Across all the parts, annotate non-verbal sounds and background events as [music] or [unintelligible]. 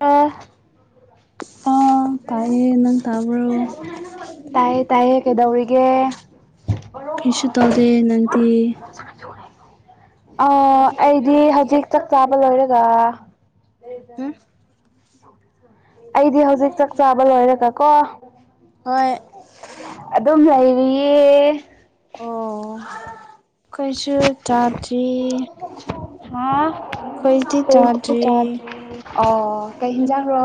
ꯑ ꯑ ꯇꯥꯏꯌ‌ꯦ ꯅꯪ ꯇꯥꯕꯔꯣ ꯇꯥꯏꯌ‌ꯦ ꯇꯥꯏ‌ꯌ‌ꯦ ꯀꯩꯗꯧꯔꯤꯒ‌ꯦ ꯀꯩꯁꯨ ꯇꯧꯗꯦ ꯅꯪꯗꯤ ꯑ ꯑꯩꯗꯤ ꯍꯧꯖꯤꯛ ꯆꯥꯛ ꯆꯥꯕ ꯂꯣꯏꯔꯒ ꯍꯨ ꯑꯩꯗꯤ ꯍꯧꯖꯤꯛ ꯆꯥꯛ ꯆꯥꯕ ꯂꯣꯏꯔꯒ ꯀꯣ ꯍꯣꯏ ꯑꯗꯨꯝ ꯂꯩꯔꯤꯌꯦ ꯑꯣ ꯈ‌ꯣꯏꯁꯨ ꯆꯥꯗ꯭ꯔꯤ ꯍꯥ ꯈꯣꯏꯗꯤ [unintelligible] ꯁꯨ ꯆꯥꯗ꯭ꯔꯤ ꯇꯥꯗꯦ ꯑꯣ ꯀꯩ ꯏꯟꯖꯥꯡꯔꯣ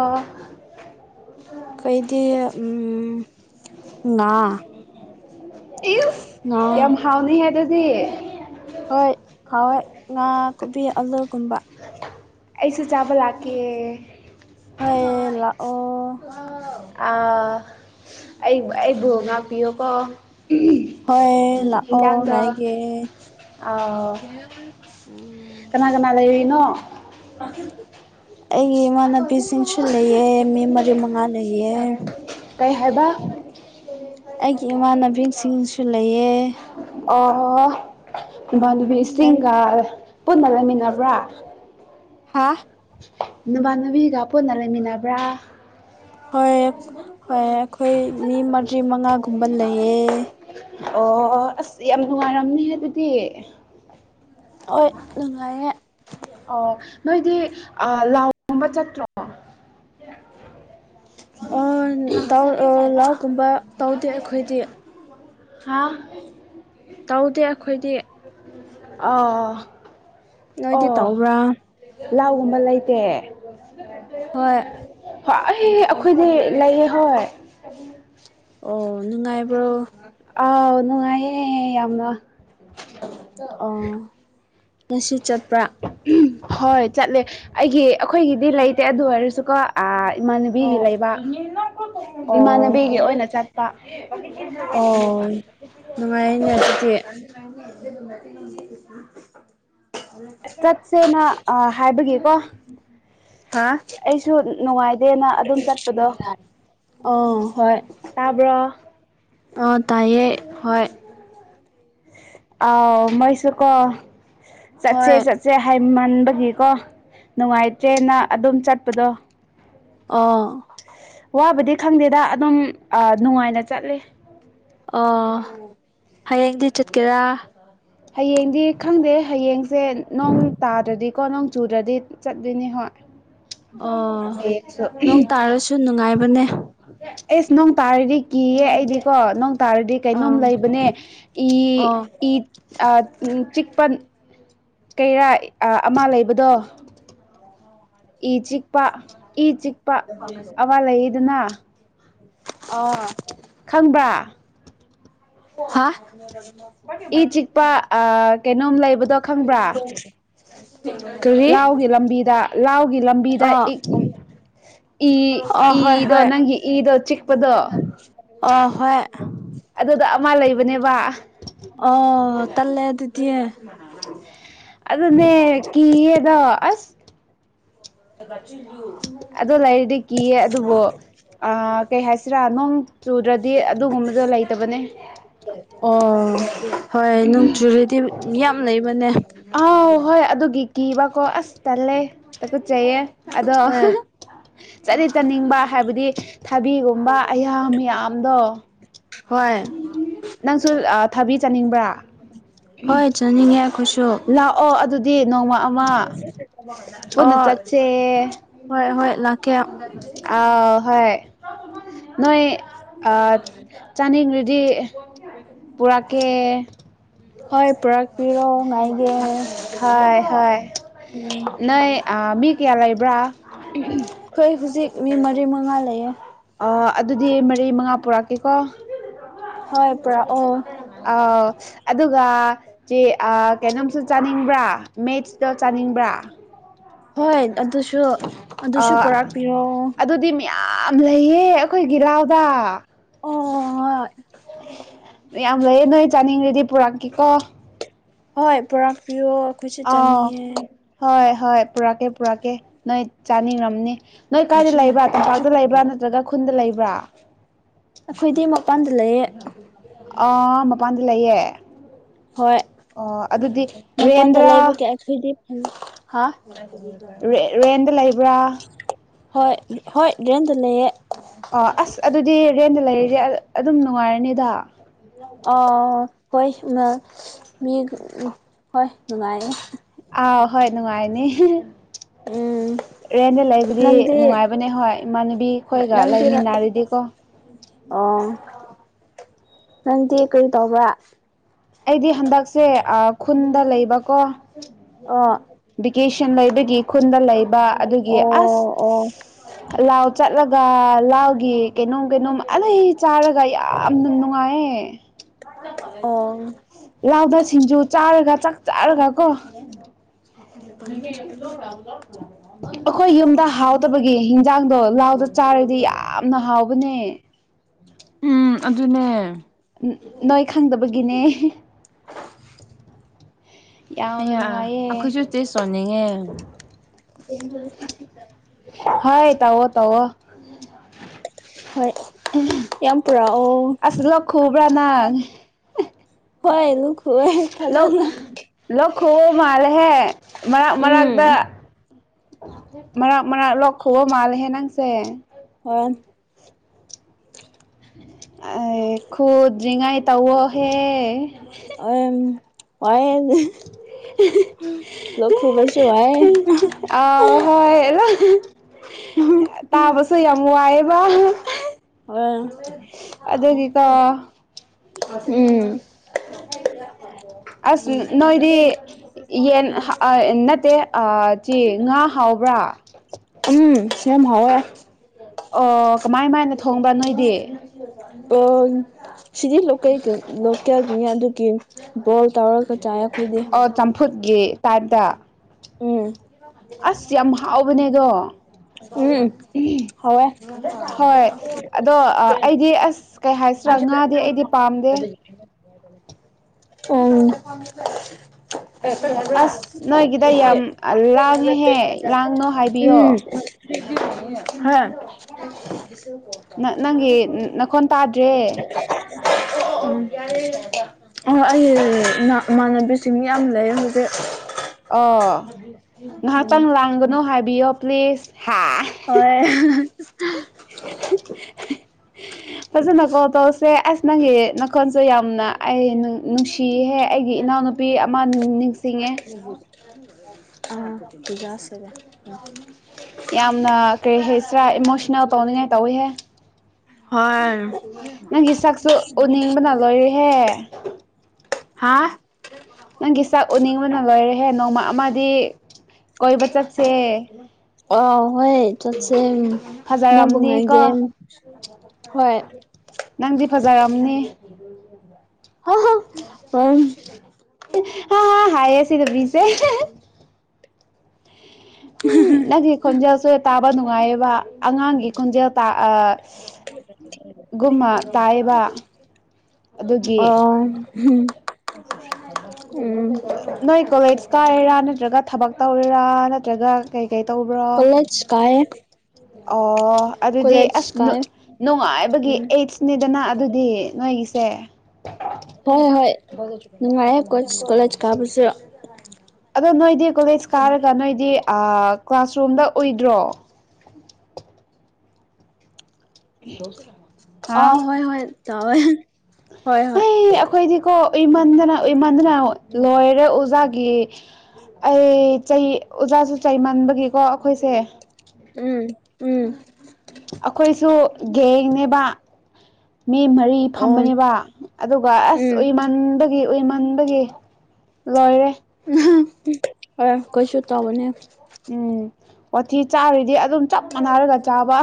ꯈ‌ꯣꯏꯗꯤ ꯎꯝ ꯉꯥ ꯉꯥ [unintelligible] ꯌꯥꯝ ꯍꯥꯎꯅꯤꯍ‌ꯦ ꯗꯨꯗꯤ ꯍꯣꯏ ꯍꯥꯎꯌ‌ꯦ ꯉꯥ ꯀꯣꯕꯤ ꯑꯂꯨꯒꯨꯝꯕ ꯑꯩꯁꯨ ꯆꯥꯕ ꯂꯥꯛꯀꯦ ꯍꯣꯏ ꯂꯥꯛꯑꯣ ꯑꯥ ꯑꯩ ꯑꯩꯕꯨ ꯉꯥꯛꯄꯤꯌꯣꯀꯣ ꯍꯣꯏ ꯍꯤꯟ ꯂꯥꯛꯑꯣ ꯍꯤꯟꯖꯥꯡꯗꯣ ꯉꯥꯏꯒꯦ [unintelligible] ꯀꯥꯅꯥ ꯂꯩꯔꯤꯅꯣ ꯑꯩꯒꯤ ꯏꯃꯥꯟꯅꯕꯤꯁꯤꯡꯁꯨ ꯂꯩꯌꯦ ꯃꯤ ꯃꯔꯤ ꯃꯉꯥ ꯂꯩ ꯌꯦꯔ ꯀꯩ ꯍꯥꯏꯕ ꯑꯩꯒꯤ ꯏꯃꯥꯟꯅꯕꯤꯁꯤꯡꯁꯨ ꯂꯩꯌꯦ ꯑꯣ ꯅꯪ ꯏꯃꯥꯟꯅꯕꯤꯁꯤꯡꯒ ꯄꯨꯟꯅ ꯂꯩꯃꯤꯟꯅꯕ꯭ꯔꯥ ꯍꯥꯥ ꯅꯥꯝꯅꯥꯕꯤꯒ ꯄꯨꯟꯅ ꯂꯩꯃꯤꯟꯅꯕ꯭ꯔꯥ ꯍꯣꯏ ꯍꯣꯏ ꯑꯩꯈꯣꯏ ꯃꯤ ꯃꯔꯤ ꯃꯉꯥꯒꯨꯝꯕ ꯂꯩꯌꯦ ꯑꯣ ꯑꯣ ꯑꯁ ꯌꯥꯝ ꯅꯨꯡꯉꯥꯏꯔꯝꯅꯤꯍꯦ ꯑꯗꯨꯗꯤ ꯍꯣꯏ ꯅꯨꯡꯉꯥꯏꯌꯦ ꯑꯣ ꯅꯣꯏꯗꯤ ꯑꯥ ꯂꯥꯎꯒꯨꯝꯕ ꯆꯠꯇ꯭ꯔꯣ [unintelligible] [unintelligible] ꯂꯥꯎꯀꯨꯝꯕ ꯇꯧꯗꯦ ꯑꯩꯈꯣꯏꯗꯤ ꯍꯥ ꯇꯧꯗꯦ ꯑꯩꯈꯣꯏꯗꯤ ꯑꯥ ꯑꯣ ꯅꯣꯏꯗꯤ ꯇꯧꯕ꯭ꯔꯥ ꯂꯥꯎꯒꯨꯝꯕ ꯂꯩꯇꯦ ꯍꯣꯏ ꯍꯣꯏ ꯑꯩ ꯑꯩꯈꯣꯏꯗꯤ ꯂꯩꯌꯦ ꯍꯣꯏ ꯑꯣ ꯅꯨꯡꯉꯥꯏꯕ꯭ꯔꯣ ꯑꯥꯎ ꯅꯨꯡꯉꯥꯏꯌꯦ ꯌꯥꯝꯅ ꯑꯣ ꯉꯁꯤ ꯆꯠꯄ꯭ꯔꯥ ꯍꯣꯏ ꯆꯠꯂꯦ ꯑꯩꯒꯤ ꯑꯩꯈꯣꯏꯒꯤꯗꯤ ꯂꯩꯇꯦ ꯑꯗꯨ ꯑꯣꯏꯔꯁꯨꯀꯣ ꯑꯥ ꯏꯃꯥꯟꯅꯕꯤꯒꯤ ꯑꯣ ꯂꯩꯕ ꯏꯃꯥꯟꯅꯕꯤꯒꯤ ꯑꯣꯏꯅ ꯆꯠꯄ [unintelligible] ꯅꯨꯡꯉꯥꯏ ꯌꯦꯅꯦ ꯑꯗꯨꯗꯤ ꯆꯠꯁꯦꯅ ꯍꯥꯏꯕꯒꯤꯀꯣ ꯍꯥ ꯑꯩ ꯁꯨ ꯅꯨꯡꯉꯥꯏꯗꯦꯅ ꯑꯗꯨꯝ ꯆꯠꯄꯗꯣ ꯑꯧ ꯍꯣꯏ ꯇꯥꯕ꯭ꯔꯣ ꯑꯣ ꯇꯥꯏꯌꯦ ꯍꯣꯏ ꯑꯥꯎ ꯃꯩꯁꯨ ꯀꯣ ꯆꯠꯁꯦ ꯍꯣꯏ ꯆꯠ ꯁꯦ ꯍꯥꯏꯃꯟꯕꯒꯤꯀꯣ ꯅꯨꯡꯉꯥꯏꯇ꯭ꯔꯦꯅ ꯑꯗꯨꯝ ꯆꯠꯄꯗꯣ ꯑꯣ ꯋꯥꯕꯨꯗꯤ ꯈꯪꯗꯦꯗ ꯑꯗꯨꯝ ꯑꯥ ꯅꯨꯡꯉꯥꯏꯅ ꯆꯠꯂꯤ ꯑꯣ ꯍꯌꯦꯡꯗꯤ ꯆꯠꯀꯦꯔꯥ ꯍꯌꯦꯡꯗꯤ ꯈꯪꯗꯦ ꯍꯌꯦꯡꯁꯦ ꯅꯣꯡ ꯇꯥꯗ꯭ꯔꯗꯤꯀꯣ ꯅꯣꯡ ꯆꯨꯗ꯭ꯔꯗꯤ ꯆꯠꯂꯥꯅꯤ ꯍꯣꯏ ꯍꯌꯦꯡꯁꯨ ꯗꯨ ꯅꯨꯡꯉꯥꯏꯕꯅꯦ ꯏꯁ ꯅꯣꯡ ꯇꯥꯔꯤꯗꯤ ꯀꯤꯌꯦ ꯑꯩꯗꯤꯀꯣ ꯅꯣꯡ ꯇꯥꯔꯗꯤ ꯀꯩꯅꯣꯝ ꯑꯥ ꯂꯩꯕꯅꯦ ꯏ ꯏ ꯆꯤꯛꯄꯟ ꯀꯩꯔꯥ ꯑꯃ ꯂꯩꯕꯗꯣ ꯏ ꯆꯤꯛꯄ ꯏ ꯆꯤꯛꯄ ꯑꯃꯥ ꯂꯩꯌꯦꯗꯅ ꯑꯣ ꯈꯪꯕ꯭ꯔꯥ ꯍꯥ ꯏ ꯆꯤꯛꯄ ꯑ ꯀꯩꯅꯣꯝ ꯂꯩꯕꯗꯣ ꯈꯪꯕ꯭ꯔꯥ ꯀꯔꯤ ꯂꯥꯎꯒꯤ ꯂꯝꯕꯤꯗ ꯂꯥꯎꯒꯤ ꯂꯝꯕꯤꯗ ꯑꯣ ꯏꯛꯒꯨꯝ ꯏ ꯑꯣ ꯍꯣꯏ ꯏꯗꯣ ꯍꯣꯏ ꯅꯪꯒꯤ ꯏꯗꯣ ꯆꯤꯛꯄꯗꯣ ꯑꯣ ꯍꯣꯏ ꯑꯗꯨꯗ ꯑꯃ ꯂꯩꯕꯅꯦꯕ ꯑꯣ ꯇꯜꯂꯦ ꯑꯗꯨꯗꯤ ꯑꯗꯨꯅꯦ ꯀꯤꯌꯦꯗꯣ ꯑꯁ ꯨ [unintelligible] ꯑꯗꯨ ꯂꯩꯔꯗꯤ ꯀꯤꯌꯦ ꯑꯗꯨꯕꯨ ꯑꯥ ꯀꯩ ꯍꯥꯏꯁꯤꯔꯥ ꯅꯣꯡ ꯆꯨꯗ꯭ꯔꯗꯤ ꯑꯗꯨꯒꯨꯝꯕꯗꯣ ꯂꯩꯇꯕꯅꯦ ꯑꯣ ꯍꯣꯏ ꯅꯣꯡꯆꯨꯔꯗꯤ ꯌꯥꯝ ꯂꯩꯕꯅꯦ ꯑꯥꯎ ꯍꯣꯏ ꯑꯗꯨꯒꯤ ꯀꯤꯕꯀꯣ ꯑꯁ ꯇꯜꯂꯦ ꯇꯀꯠꯆꯩꯌꯦ ꯑꯗꯣ ꯍꯣꯏ ꯆꯠꯇꯤ ꯆꯅꯤꯡꯕ ꯍꯥꯏꯕꯗꯤ ꯊꯕꯤꯒꯨꯝꯕ ꯑꯌꯥ ꯃꯌꯥꯝꯗꯣ ꯍꯣꯏ ꯅꯪꯁꯨ ꯑꯥ ꯊꯕꯤ ꯆꯥꯅꯤꯡꯕ꯭ꯔꯥ ꯍꯣꯏ ꯆꯥꯅꯤꯡꯉꯦ ꯑꯩꯈꯣꯏꯁꯨ ꯂꯥꯛꯑꯣ ꯑꯗꯨꯗꯤ ꯅꯣꯡꯃ ꯑꯃ ꯄꯨꯟꯅ ꯑꯣ ꯆꯠꯁꯦ ꯍꯣꯏ ꯍꯣꯏ ꯂꯥꯛꯀꯦ ꯑ ꯍꯣꯏ ꯅꯣꯏ ꯑꯥ ꯆꯥꯅꯤꯡꯉꯥꯗꯤ ꯄꯨꯔꯛꯀꯦ ꯍꯣꯏ ꯄꯨꯔꯛꯄꯤꯔꯣ ꯉꯥꯏꯒꯦ ꯎꯝ ꯍꯣꯏ ꯑꯥ ꯃꯤ ꯀꯌꯥ ꯂꯩꯕ꯭ꯔꯥ ꯑꯩꯈꯣꯏ ꯍꯧꯖꯤꯛ ꯃꯤ ꯃꯔꯤ ꯃꯉꯥ ꯂꯩꯌꯦ ꯑ ꯑꯗꯨꯗꯤ ꯃꯔꯤ ꯃꯉꯥ ꯄꯨꯔꯛꯀꯦꯀꯣ ꯍꯣꯏ ꯄꯨꯔꯛꯑꯣ ꯑ ꯑꯗꯨꯒ ꯆꯦ ꯑ ꯀꯩꯅꯣꯝꯁꯨ ꯆꯥꯅꯤꯡꯕ꯭ꯔꯥ ꯃꯦꯠꯁ ꯍꯣꯏ ꯑꯗꯨꯁꯨ ꯑꯗꯨꯁꯨ ꯄꯨꯔꯛꯄꯤꯌꯣ ꯌꯥꯝ ꯂꯩꯌꯦ ꯑꯩꯈꯣꯏꯒꯤ ꯂꯥꯎꯗ ꯑꯣ ꯍꯣꯏ ꯃꯌꯥꯝ ꯂꯩꯌꯦ ꯅꯣꯏ ꯆꯥꯅꯤꯡꯉꯥꯗꯤ ꯄꯨꯨꯔꯛꯀꯦꯀꯣ ꯍꯣꯏ ꯄꯨꯔꯛꯄꯤꯌꯣ ꯑꯩꯈꯣꯏꯁꯨ ꯑ ꯆꯥꯅꯤꯡꯉꯦ ꯍꯣꯏ ꯍꯣꯏ ꯄꯨꯔꯛꯀꯦ ꯄꯨꯔꯛꯀꯦ ꯅꯣꯏ ꯆꯥꯅꯤꯡꯉꯝꯅꯤ ꯅꯣꯏ ꯀꯥꯏꯗ ꯂꯩꯕ꯭ꯔꯥ ꯇꯝꯄꯥꯛꯇ ꯂꯩꯕ꯭ꯔꯥ ꯅꯠꯇ꯭ꯔꯒ ꯈꯨꯟꯗ ꯂꯩꯕ꯭ꯔꯥ ꯑꯩꯈꯣꯏꯗꯤ ꯃꯄꯥꯟꯗ ꯂꯩꯌꯦ ꯑ ꯃꯄꯥꯟꯗ ꯂꯩꯌꯦ ꯍꯣꯏ ꯑꯣ ꯑꯗꯨꯗꯤ ꯔꯦꯟꯗ꯭ꯔꯥ [inaudible] ꯍꯥꯥ ꯔꯦ ꯔꯦꯟꯗ ꯂꯩꯕ꯭ꯔꯥ ꯍꯣꯏ ꯍꯣꯏ ꯔꯦꯟꯗ ꯂꯩꯌꯦ ꯑꯣ ꯑꯁ ꯑꯗꯨꯗꯤ ꯔꯦꯟꯗ ꯂꯩꯔꯗꯤ ꯑ ꯑꯗꯨꯝ ꯅꯨꯡꯉꯥꯏꯔꯅꯤꯗ ꯑ ꯍꯣꯏ ꯎ ꯃ ꯃꯤ ꯍꯣꯏ ꯅꯨꯡꯉꯥꯏꯌꯦ ꯑꯥ ꯍꯣꯏ ꯅꯨꯡꯉꯥꯏꯅꯤ ꯎꯝ ꯔꯦꯟꯗ ꯂꯩꯕꯗꯤ ꯅꯪꯗꯤ ꯅꯨꯡꯉꯥꯏꯕꯅꯦ ꯍꯣꯏ ꯏꯃꯥꯟꯅꯕꯤ ꯈꯣꯏꯒ ꯅꯪꯗꯤ ꯂꯩꯃꯤꯟꯅꯔꯗꯤꯀꯣ ꯑꯣ ꯅꯪꯗꯤ ꯀꯔꯤ ꯇꯧꯕ꯭ꯔꯥ ꯑꯩꯗꯤ ꯍꯟꯗꯛꯁꯦ ꯑ ꯈꯨꯟꯗ ꯂꯩꯕꯀꯣ ꯑꯣ ꯕꯤꯀꯦꯁꯟ ꯂꯩꯕꯒꯤ ꯈꯨꯟꯗ ꯂꯩꯕ ꯑꯗꯨꯒꯤ ꯑꯁ ꯑꯣ ꯑꯣ ꯂꯥꯎ ꯆꯠꯂꯒ ꯂꯥꯎꯒꯤ ꯀꯩꯅꯣꯝ ꯀꯩꯅꯣꯝ ꯑꯗꯩ ꯆꯥꯔꯒ ꯌꯥꯝꯅ ꯅꯨꯡꯉꯥꯏꯌꯦ ꯑꯣ ꯂꯥꯎꯗ ꯁꯤꯡꯖꯨ ꯆꯥꯔꯒ ꯆꯥꯛ ꯆꯥꯔꯒ ꯀꯣ [unintelligible] ꯑꯩꯈꯣꯏ ꯌꯨꯝꯗ ꯍꯥꯎꯗꯕꯒꯤ ꯍꯤꯟꯖꯥꯡꯗꯣ ꯂꯥꯎꯗ ꯆꯥꯔꯗꯤ ꯌꯥꯝꯅ ꯍꯥꯎꯕꯅꯦ ꯎꯝ ꯑꯗꯨꯅꯦ ꯅꯣꯏ ꯈꯪꯗꯕꯒꯤꯅꯦ ꯌꯥꯝꯅ ꯑꯩꯌꯥ ꯅꯨꯡꯉꯥꯏꯌꯦ ꯑꯩꯈꯣꯏꯁꯨ ꯇꯦꯁ ꯆꯣꯟꯅꯤꯡꯉꯦ ꯍꯣꯏ ꯇꯧꯋꯣ ꯇꯧꯋꯣ ꯍꯣꯏ ꯌꯥꯝ ꯄꯨꯔꯛꯑꯣ ꯂ‌ꯣꯛ ꯈꯨꯕ꯭ꯔꯥ ꯅꯪ ꯍꯣꯏ ꯂ‌ꯣꯛ ꯈꯨꯏꯌ‌ꯦ ꯐꯖꯅ ꯂ‌ꯣꯛ ꯈꯨꯨꯕ ꯃꯥꯂꯦꯍꯦ ꯃꯔꯛ ꯎꯝ ꯃꯔꯥꯛꯇ ꯃꯔꯛ ꯃꯔꯛ ꯂꯣꯛ ꯈꯨꯕ ꯃꯥꯂꯦꯍꯦ ꯅꯪꯁꯦ ꯍ ꯑꯦ ꯈꯨꯗꯔ꯭ꯤꯉꯩ ꯇꯋ‌ꯣ ꯍꯦ ꯑꯣ ꯍ ꯂꯣꯛ ꯈꯨꯕꯁꯨ ꯋꯥꯏꯌꯦ ꯑ ꯍ‌ꯣꯏ ꯇꯥꯕꯁꯨ ꯌꯥꯝ ꯋꯥꯏꯑꯦꯕ ꯑ ꯎꯝ ꯑꯁ ꯅꯣꯏꯗꯤ ꯌꯦꯟ ꯅꯠꯇꯦ ꯁꯤ ꯉꯥ ꯍꯥꯎꯕ꯭ꯔꯥ ꯎꯝ ꯌꯥꯝ ꯍꯥꯎꯋꯦ ꯑꯣ ꯀꯃꯥꯏ ꯀꯃꯥꯏꯅ ꯊꯣꯡꯕ ꯅꯣꯏꯗꯤ ꯑ ꯁꯤꯗꯤ ꯂꯣꯀꯦꯜ ꯂꯣꯀꯦꯜꯒꯤꯅꯦ ꯑꯗꯨꯒꯤ ꯕꯣꯜ ꯇꯧꯔꯒ ꯆꯥꯏ ꯑꯩꯈꯣꯏꯗꯤ ꯐꯨꯠꯀꯤ ꯇꯥꯏꯞꯇ ꯎꯝ ꯑꯁ ꯌꯥꯝ ꯍꯥꯎꯕꯅꯦꯗꯣ ꯎꯝ ꯍꯥꯎꯋꯦ ꯍꯣꯏ ꯑꯗꯣ ꯑꯩꯗꯤ ꯑꯁ ꯀꯩ ꯍꯥꯏꯁꯤꯔꯥ ꯉꯥꯗꯤ ꯑꯩꯗꯤ ꯄꯥꯝꯗꯦ ꯎꯝ ꯑꯁ ꯅꯣꯏꯒꯤꯗ ꯌꯥꯝ ꯂꯥꯡꯉꯦꯍꯦ ꯂꯥꯡꯅꯣ ꯍꯥꯏꯕꯤꯌꯣ ꯍꯥꯥ ꯅꯪꯒꯤ ꯅꯈꯣꯟ ꯇꯥꯗ꯭ꯔꯦ [unintelligible] [unintelligible] ꯑꯩ ꯏꯃꯥꯟꯅꯕꯤꯁꯤꯡ ꯌꯥꯝ ꯂꯩꯌ‌ꯦ ꯍꯧꯖꯤꯛ ꯑꯣ ꯎꯝ ꯉꯍꯥꯛꯇꯪ ꯂꯥꯡꯒꯅꯨ ꯍꯥꯏꯕꯤꯌꯣ ꯄ꯭ꯂꯤꯖ ꯍꯥ ꯍꯣꯏ [inaudible] ꯐꯖꯅ ꯀꯣ ꯇꯧꯁꯦ ꯑꯁ ꯅꯪꯒꯤ ꯅꯈꯣꯟꯁꯨ ꯌꯥꯝꯅ ꯑꯩ ꯅꯨꯡꯁꯤꯍꯦ ꯑꯩꯒꯤ ꯏꯅꯥꯎꯅꯨꯄꯤ ꯅꯨꯄꯤ ꯑꯃ ꯅꯤꯡꯁꯤꯡꯉꯦ [unintelligible] ꯌꯥꯝꯅ ꯀꯔꯤ ꯍꯥꯏꯁꯤꯔꯥ ꯏꯃꯣꯁꯅꯦꯜ ꯇꯧꯅꯤꯡꯉꯥꯏ ꯇꯧꯋꯤꯍꯦ ꯅꯪꯒꯤ ꯁꯛꯁꯨ ꯎꯅꯤꯡꯕꯅ ꯂꯣꯏꯔꯦꯍꯦ ꯍꯥꯥ ꯅꯪꯒꯤ ꯁꯛ ꯎꯅꯤꯡꯕꯅ ꯂꯣꯏꯔꯦꯍꯦ ꯅꯣꯡꯃ ꯑꯃꯗꯤ ꯀꯣꯏꯕ ꯆꯠꯁꯦ ꯑ ꯍꯣꯏ ꯆꯠꯁꯦꯝ ꯅꯪꯕꯨ ꯉꯥꯏꯒꯦ ꯐꯖꯔꯝꯅꯤꯀꯣ ꯍꯣꯏ ꯅꯪꯗꯤ ꯐꯖꯔꯝꯅꯤ [unintelligible] ꯍꯥ ꯍꯥꯏꯌꯦ ꯁꯤ ꯅꯨꯄꯤꯁꯦ ꯍꯨꯝ ꯅꯪꯒꯤ ꯈꯣꯟꯖꯦꯜꯁꯦ ꯇꯥꯕ ꯅꯨꯡꯉꯥꯏꯌꯦꯕ ꯑꯉꯥꯡꯒꯤ ꯈꯣꯟꯖꯦꯜ ꯇꯥ ꯑ ꯒꯨꯝꯃ ꯇꯥꯏꯌꯦꯕ ꯑꯗꯨꯒꯤ ꯑꯣ ꯅꯣꯏ ꯀꯣꯂꯦꯖ ꯀꯥꯏꯔꯤꯔꯥ ꯅꯠꯇ꯭ꯔꯒ ꯊꯕꯛ ꯇꯧꯔꯤꯔꯥ ꯅꯠꯇ꯭ꯔꯒ ꯀꯩ ꯀꯩ ꯇꯧꯕ꯭ꯔꯣ ꯀꯣꯂꯦꯖ ꯀꯥꯏꯌꯦ ꯑꯣ ꯑꯗꯨꯗꯤ ꯑꯁ ꯀꯥꯏ ꯅꯨꯠ ꯅꯨꯡꯉꯥꯏꯕꯒꯤ ꯎꯝ ꯑꯦꯠꯁꯅꯤꯗꯅ ꯑꯗꯨꯗꯤ ꯅꯣꯏꯒꯤꯁꯦ ꯍꯣꯏ ꯍꯣꯏ ꯅꯨꯡꯉꯥꯏꯌꯦ ꯀꯨꯖ ꯀꯣꯂꯦꯖ ꯀꯥꯕꯨꯁꯨ ꯑꯗꯣ ꯅꯣꯏꯗꯤ ꯀꯣꯂꯦꯖ ꯀꯥꯔꯒ ꯅꯣꯏꯗꯤ ꯑ ꯀ꯭ꯂꯥꯁꯔꯨꯝꯗ ꯎꯏꯗ꯭ꯔꯣ ꯍꯥ ꯑ ꯍꯣꯏ ꯍꯣꯏ ꯇꯧꯋꯦ ꯍꯣꯏ ꯍꯣꯏ ꯑꯩ ꯑꯩꯈꯣꯏꯗꯤꯀꯣ ꯎꯏꯃꯟꯗꯅ ꯎꯏꯃꯟꯗꯅ ꯂꯣꯏꯔꯦ ꯑꯣꯖꯥꯒꯤ ꯑꯩ ꯆꯩ ꯑꯣꯖꯥꯁꯨ ꯆꯩꯃꯟꯕꯒꯤꯀꯣ ꯑꯩꯈꯣꯏꯁꯦ ꯎꯝ ꯎꯝ ꯑꯈꯣꯏꯁꯨ ꯒꯦꯡꯅꯦꯕ ꯃꯤ ꯃꯔꯤ ꯔꯤ ꯑꯣ ꯎꯝ ꯐꯝꯕꯅꯦꯕ ꯑꯗꯨꯒ ꯑꯁ ꯎꯏꯃꯟ ꯃꯟꯕꯒꯤ ꯎꯏꯃꯟꯕꯒꯤ ꯂꯣꯏꯔꯦ ꯍꯣꯏ ꯈꯣꯏꯁꯨ ꯇꯧꯕꯅꯦ ꯎꯝ ꯋꯥꯊꯤ ꯆꯥꯔꯤꯗꯤ ꯑꯗꯨꯝ ꯆꯞ ꯃꯥꯟꯅꯔꯒ ꯆꯥꯕ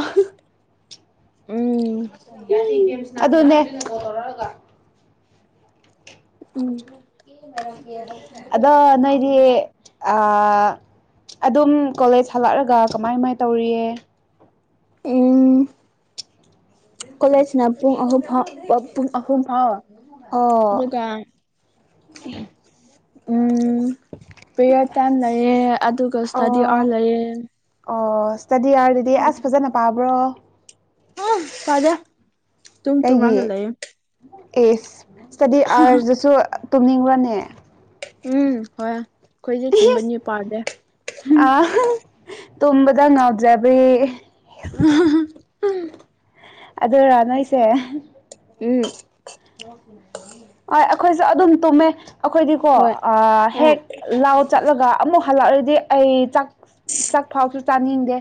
ꯎꯝ ꯎꯝ ꯑꯗꯨꯅꯦ ꯎꯝ ꯑ ꯑꯗꯨꯝ ꯀꯣꯂꯦꯖ ꯍꯜꯂꯛꯔꯒ ꯀꯃꯥꯏ ꯀꯃꯥꯏꯟ ꯇꯧꯔꯤꯌꯦ ꯎꯝ ꯀꯣꯂꯦꯖꯅ ꯄꯨꯡ ꯑꯍꯨꯝ ꯐꯥꯎ ꯑ ꯄꯨꯡ ꯑꯍꯨꯝ ꯐꯥꯎ ꯑꯣ ꯑꯗꯨꯒ ꯎꯝ ꯄꯤꯔꯠ ꯇꯥꯏꯝ ꯂꯩꯌꯦ ꯑꯗꯨꯒ ꯁ꯭ꯇꯥꯗꯤ ꯑꯣ ꯑꯋꯥꯔ ꯂꯩꯌꯦ ꯑꯣ ꯁ꯭ꯇꯥꯗꯤ ꯑꯋꯥꯔꯗꯗꯤ ꯑꯁ ꯐꯖꯅ ꯄꯥꯕ꯭ꯔꯣ ꯍꯨꯝ ꯄꯥꯗꯦ ꯇꯨꯝ ꯀꯩꯒꯤ ꯇꯨꯝꯔꯒ ꯂꯩꯌꯦ ꯑꯦꯁ ꯁ꯭ꯇꯥꯗꯤ ꯑꯥꯔꯁꯗꯁꯨ ꯇꯨꯝꯅꯤꯡꯕ꯭ꯔꯅꯦ ꯎꯝ ꯍꯣꯏ ꯑꯩꯈꯣꯏꯗꯤ ꯏꯁ ꯇꯨꯝꯕꯅꯤ ꯄꯥꯗꯦ ꯇꯨꯝꯕꯗ ꯉꯥꯎꯖꯕꯤ [unintelligible] ꯑꯗꯨꯔꯥ ꯅꯣꯏꯁꯦ ꯎꯝ ꯑꯣꯏ ꯑꯩꯈꯣꯏꯁꯨ ꯑꯗꯨꯝ ꯇꯨꯝꯃꯦ ꯑꯩꯈꯣꯏꯗꯤꯀꯣ ꯍꯣꯏ ꯑ ꯑꯥ ꯍꯦꯛ ꯂꯥꯎ ꯆꯠꯂꯒ ꯑꯃꯨꯛ ꯍꯜꯂꯛꯂꯗꯤ ꯑꯩ ꯆꯥꯛ ꯆꯥꯛ ꯐꯥꯎꯁꯨ ꯆꯥꯅꯤꯡꯗꯦ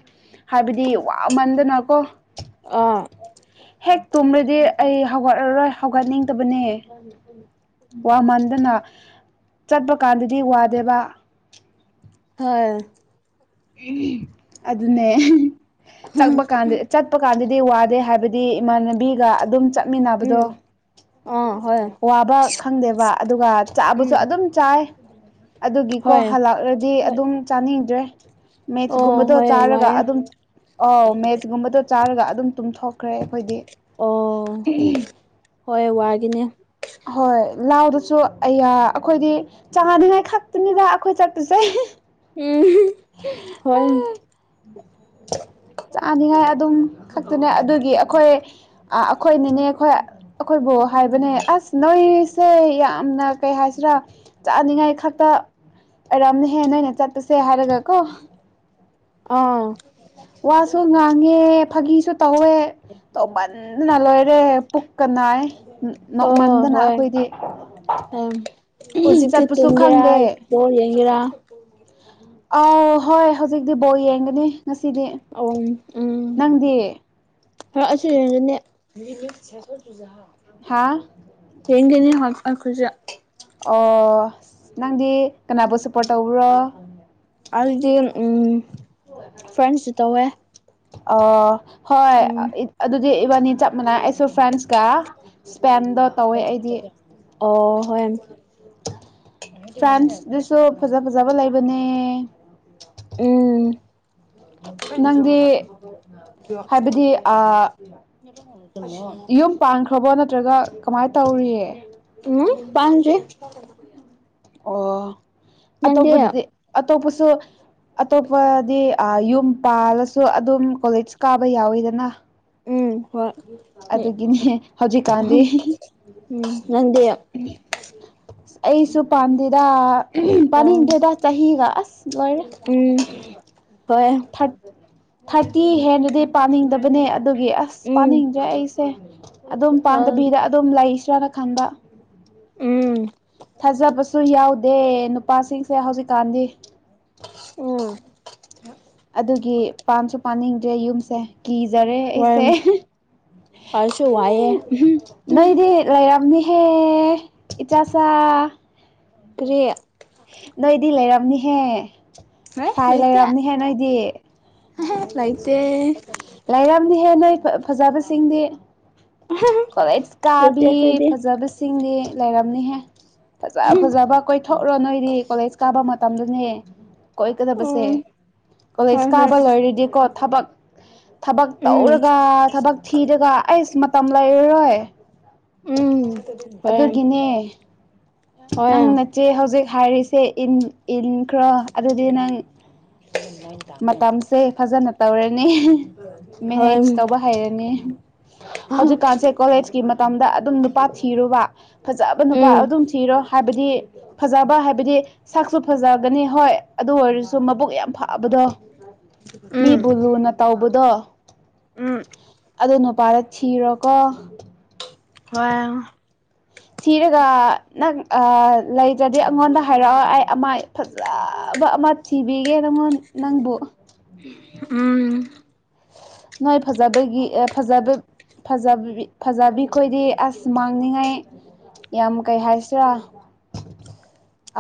ꯍꯥꯏꯕꯗꯤ ꯋꯥꯃꯟꯗꯅꯀꯣ ꯑꯥ ꯍꯦꯛ ꯇꯨꯝꯔꯗꯤ ꯑꯩ ꯍꯧꯒꯠꯂꯔꯣꯏ ꯍꯧꯒꯠꯅꯤꯡꯗꯕꯅꯦ ꯋꯥꯃꯟꯗꯅ ꯆꯠꯄ ꯀꯥꯟꯗꯗꯤ ꯋꯥꯗꯦꯕ ꯍꯣꯏ ꯑꯗꯨꯅꯦ ꯍꯨꯝ ꯆꯠꯄ ꯀꯥꯟꯗ ꯆꯠ ꯆꯠꯄ ꯀꯥꯟꯗꯗꯤ ꯋꯥꯗꯦ ꯍꯥꯏꯕꯗꯤ ꯏꯃꯥꯟꯅꯕꯤꯒ ꯑꯗꯨꯝ ꯆꯠꯃꯤꯟꯅꯕꯗꯣ ꯎꯝ ꯑꯥ ꯍꯣꯏ ꯋꯥꯕ ꯈꯪꯗꯦꯕ ꯑꯗꯨꯒ ꯆꯥꯕꯁꯨ ꯎꯝ ꯑꯗꯨꯝ ꯆꯥꯏ ꯑꯗꯨꯒꯤꯀꯣ ꯍꯣꯏ ꯍꯜꯂꯛꯂꯗꯤ ꯍꯣꯏ ꯑꯗꯨꯝ ꯆꯥꯅꯤꯡꯗ꯭ꯔꯦ ꯑꯣ ꯃꯦꯠꯁꯒꯨꯝꯕꯗꯣ ꯍꯣꯏ ꯆꯥꯔꯒ ꯋꯥꯏꯌꯦ ꯑꯗꯨꯝ ꯑ ꯃꯦꯠꯁ ꯨꯝꯕꯗꯣ ꯆꯥꯔꯒ ꯑꯗꯨꯝ ꯇꯨꯝꯊꯣꯛꯈ꯭ꯔꯦ ꯑꯩꯈꯣꯏꯗꯤ ꯑꯣ ꯍꯣꯏ ꯋꯥꯒꯤꯅꯦ ꯍꯣꯏ ꯂꯥꯎꯗꯁꯨ ꯑꯌꯥ ꯑꯩꯈꯣꯏꯗꯤ ꯆꯥꯉꯅꯤꯉꯥꯏ ꯈꯛꯇꯅꯤꯗ ꯑꯩꯈꯣꯏ ꯆꯠꯄꯨꯁꯦ ꯎꯝ ꯍꯣꯏ ꯆꯥꯅꯤꯡꯉꯥꯏ ꯑꯗꯨꯝ ꯈꯛꯇꯅꯦ ꯑꯗꯨꯒꯤ ꯑꯩꯈꯣꯏ ꯑ ꯑꯩꯈꯣꯏꯅꯅꯦ ꯑꯩꯈꯣꯏ ꯑꯩꯈꯣꯏꯕꯨ ꯍꯥꯏꯕꯅꯦ ꯑꯁ ꯅꯣꯏꯁꯦ ꯌꯥꯝꯅ ꯀꯩ ꯍꯥꯏꯁꯤꯔꯥ ꯆꯥꯅꯤꯡꯉꯥꯏ ꯈꯛꯇ ꯑꯔꯝꯅ ꯍꯦꯟꯅ ꯑꯣꯏꯅ ꯆꯠ ꯇꯁꯦ ꯍꯥꯏꯔꯒ ꯀꯣ ꯑꯥ ꯋꯥ ꯁꯨ ꯉ ꯐꯪꯉꯦ ꯐꯥꯒꯤꯁꯨ ꯇꯧꯋꯦ ꯇꯃꯟꯗꯅ ꯂꯣꯏꯔꯦ ꯄꯨꯛꯀ ꯅꯥꯏ ꯅꯣꯛꯃꯟꯗꯅ ꯑꯩꯈꯣꯏꯗꯤ ꯍꯧꯖꯤꯁꯤꯦ ꯆꯠꯄꯁꯨ ꯇꯨꯝꯒꯦꯔꯥꯣ ꯈꯪꯗꯦ ꯌꯦꯡꯒꯦꯔꯥ ꯑꯧ ꯍꯣꯏ ꯍꯧꯖꯤꯛꯇꯤ ꯕꯣꯜ ꯌꯦꯡꯒꯅꯤ ꯉꯁꯤꯗꯤ ꯑꯣ ꯎꯝ ꯅꯪꯗꯤ [unintelligible] ꯍꯥꯥ ꯌꯦꯡꯒꯅꯤ ꯍꯣꯏ ꯑꯩꯈꯣꯏꯁꯨ ꯑꯣ ꯅꯪꯗꯤ ꯀꯅꯥꯕꯨ ꯁꯞꯄꯣꯔꯠ ꯇꯧꯕ꯭ꯔꯣ ꯑꯩꯗꯤ ꯎꯝ ꯐ꯭ꯔꯦꯟꯁꯨ ꯇꯧꯋꯦ ꯑ ꯎꯝ ꯍꯣꯏ ꯑꯗꯨꯗꯤ ꯏꯕꯥꯅꯤ ꯆꯞ ꯃꯥꯅꯥꯏ ꯁꯨ ꯐ꯭ꯔꯦꯟꯁꯀ ꯏꯁꯄꯦꯟꯗꯣ ꯇꯧꯋꯦ ꯑꯩꯗꯤ ꯑꯣ ꯍꯣꯏ ꯐ꯭ꯔꯥꯟꯁ ꯗꯁꯨ ꯐꯖ ꯐꯖꯕ ꯂꯩꯕꯅꯦ ꯎꯝ ꯅꯪꯗꯤ ꯍꯥꯏꯕꯗꯤ ꯑ [inaudible] ꯌꯨꯝ ꯄꯥꯟꯈ꯭ꯔꯕꯣ ꯅꯠꯇ꯭ꯔꯒ ꯀꯃꯥꯏꯅ ꯇꯧꯔꯤꯌꯦ ꯎꯝ ꯄꯥꯟꯗ꯭ꯔꯤ ꯑꯣ ꯅꯪꯗꯤ ꯑꯇꯣꯞꯄꯗꯤ ꯑꯇꯣꯞꯄꯁꯨ ꯑꯇꯣꯞꯄꯗꯤ ꯑ ꯌꯨꯝ ꯄꯥꯜꯂꯁꯨ ꯑꯗꯨꯝ ꯀꯣꯂꯦꯖ ꯀꯥꯕ ꯌꯥꯎꯋꯤꯗꯅ ꯎꯝ ꯍꯣꯏ ꯑꯗꯨꯒꯤꯅꯦ ꯍꯧꯖꯤꯛꯀꯥꯟꯗꯤ ꯎꯝ ꯑ ꯅꯪꯗꯤ ꯑꯣ ꯑꯩꯁꯨ ꯄꯥꯟꯗꯦꯗ ꯄꯥꯅꯤꯡꯗꯦꯗ ꯆꯍꯤꯒ ꯑꯁ ꯂꯣꯏꯔꯦ ꯎꯝ ꯍꯣꯏ ꯊꯥ ꯊꯥꯔꯇꯤ ꯍꯦꯟꯅꯗꯤ ꯄꯥꯅꯤꯡꯗꯕꯅꯦ ꯑꯗꯨꯒꯤ ꯑꯁ ꯎꯝ ꯄꯥꯅꯤꯡꯗ꯭ꯔꯦ ꯑꯩꯁꯦ ꯑꯗꯨꯝ ꯄꯥꯟꯗꯕꯤꯗ ꯑꯗꯨꯝ ꯂꯩꯁ꯭ꯔꯥꯅ ꯈꯟꯕ ꯎꯝ ꯊꯥꯖꯕꯁꯨ ꯌꯥꯎꯗꯦ ꯅꯨꯄꯥꯁꯤꯡꯁꯦ ꯍꯧꯖꯤꯛꯀꯥꯟꯗꯤ ꯎꯝ ꯑꯗꯨꯒꯤ ꯄꯟꯁꯨ ꯄꯥꯅꯤꯡꯗ꯭ꯔꯦ ꯌꯨꯝꯁꯦ ꯀꯤꯖꯔꯦ ꯍꯣꯏ ꯑꯩꯁꯦ ꯑꯩꯁꯨ ꯋꯥꯏꯌꯦ ꯅꯣꯏꯗꯤ ꯂꯩꯔꯝꯅꯤꯍꯦ ꯏꯆꯥꯆꯥ ꯀꯔꯤ ꯅꯣꯏꯗꯤ ꯂꯩꯔꯝꯅꯤꯍꯦ ꯁꯥꯏ ꯂꯩꯔꯝꯅꯤꯍꯦ ꯅꯣꯏꯗꯤ ꯑꯍꯦ ꯂꯩꯇꯦ ꯂꯩꯔꯝꯅꯤꯍꯦ ꯅꯣꯏ ꯐꯥ ꯐꯥꯖꯕꯁꯤꯡꯗꯤ ꯀꯣꯂꯦꯖ ꯂꯩꯇꯦ ꯀꯥꯕꯤ ꯑꯩꯈꯣꯏꯗꯤ ꯐꯥꯖꯕꯤ ꯁꯤꯡꯗꯤ ꯂꯩꯔꯝꯅꯤꯍꯦ ꯐꯥꯖ ꯐꯥꯖꯕ ꯀꯣꯏꯊꯣꯛꯔꯣ ꯅꯣꯏꯗꯤ ꯀꯣꯂꯦꯖ ꯀꯥꯕꯃ ꯇꯝꯗꯨꯅꯦ ꯀꯣꯏꯒꯗꯕꯁꯦ ꯎꯝ ꯍꯣꯏ ꯀꯣꯂꯦꯖ ꯍꯣꯏ ꯀꯥꯕ ꯂꯣꯏꯔꯗꯤꯀꯣ ꯊꯕꯛ ꯊꯕꯛ ꯎꯝ ꯇꯧꯔꯒ ꯊꯕꯛ ꯊꯤꯔꯒ ꯑꯩꯁ ꯃꯇꯝ ꯂꯩꯔꯔꯣꯏ ꯎꯝ ꯍꯣꯏ ꯑꯗꯨꯒꯤꯅꯦ ꯅꯪ ꯍꯣꯏ ꯅꯆꯦ ꯍꯧꯖꯤꯛ ꯍꯥꯏꯔꯤꯁꯦ ꯏꯟ ꯏꯟ ꯈ꯭ꯔꯣ ꯑꯗꯨꯗꯤ ꯅꯪ ꯃꯇꯝ ꯁꯦ ꯐꯥꯖꯅ ꯇꯧꯔꯅꯤ ꯍꯣꯏ ꯃꯦꯅꯦꯖ ꯇꯧꯕ ꯍꯩꯔꯅꯤ ꯎꯝ ꯍꯧꯖꯤꯛꯀꯥꯟꯁꯦ ꯀꯣꯂꯦꯖꯀꯤ ꯃꯇꯝꯗ ꯑꯗꯨꯝ ꯅꯨꯄꯥ ꯊꯤꯔꯣꯕ ꯐꯥꯖꯕ ꯅꯨꯄꯥ ꯑꯗꯨꯝ ꯊꯤꯔꯣ ꯍꯥꯏꯕꯗꯤ ꯐꯥꯖꯕ ꯍꯥꯏꯕꯗꯤ ꯁꯛꯁꯨ ꯐꯥꯖꯒꯅꯤ ꯍꯣꯏ ꯑꯗꯨ ꯑꯣꯏꯔꯁꯨ ꯃꯕꯨꯛ ꯌꯥꯝ ꯐꯥ ꯑꯗꯨꯗꯣ ꯃꯤꯕꯨ ꯎꯝ ꯂꯨꯅ ꯇꯧꯕꯗꯣ ꯎꯝ ꯑꯗꯨ ꯅꯨꯄꯥꯗꯣ ꯊꯤꯔꯣꯀꯣ ꯍꯣꯏ ꯊꯤꯔꯒ ꯅꯪ ꯑꯥ ꯂꯩꯇ꯭ꯔꯗꯤ ꯑꯩꯉꯣꯟꯗ ꯍꯥꯏꯔꯛꯑꯣ ꯑꯩ ꯑꯃ ꯐꯥꯖꯕ ꯑꯃ ꯊꯤꯕꯤꯒꯦ ꯅꯪꯉꯣꯟ ꯅꯪꯕꯨ ꯎꯝ ꯅꯣꯏ ꯐꯥꯖꯕꯒꯤ ꯑꯦ ꯐꯥꯖꯕ ꯐꯥꯖꯕꯤ ꯐꯖꯕꯤꯈꯣꯏꯗꯤ ꯑꯁ ꯃꯥꯡꯅꯤꯡꯉꯥꯏ ꯌꯥꯝ ꯀꯩ ꯍꯥꯏꯁꯤꯔꯥ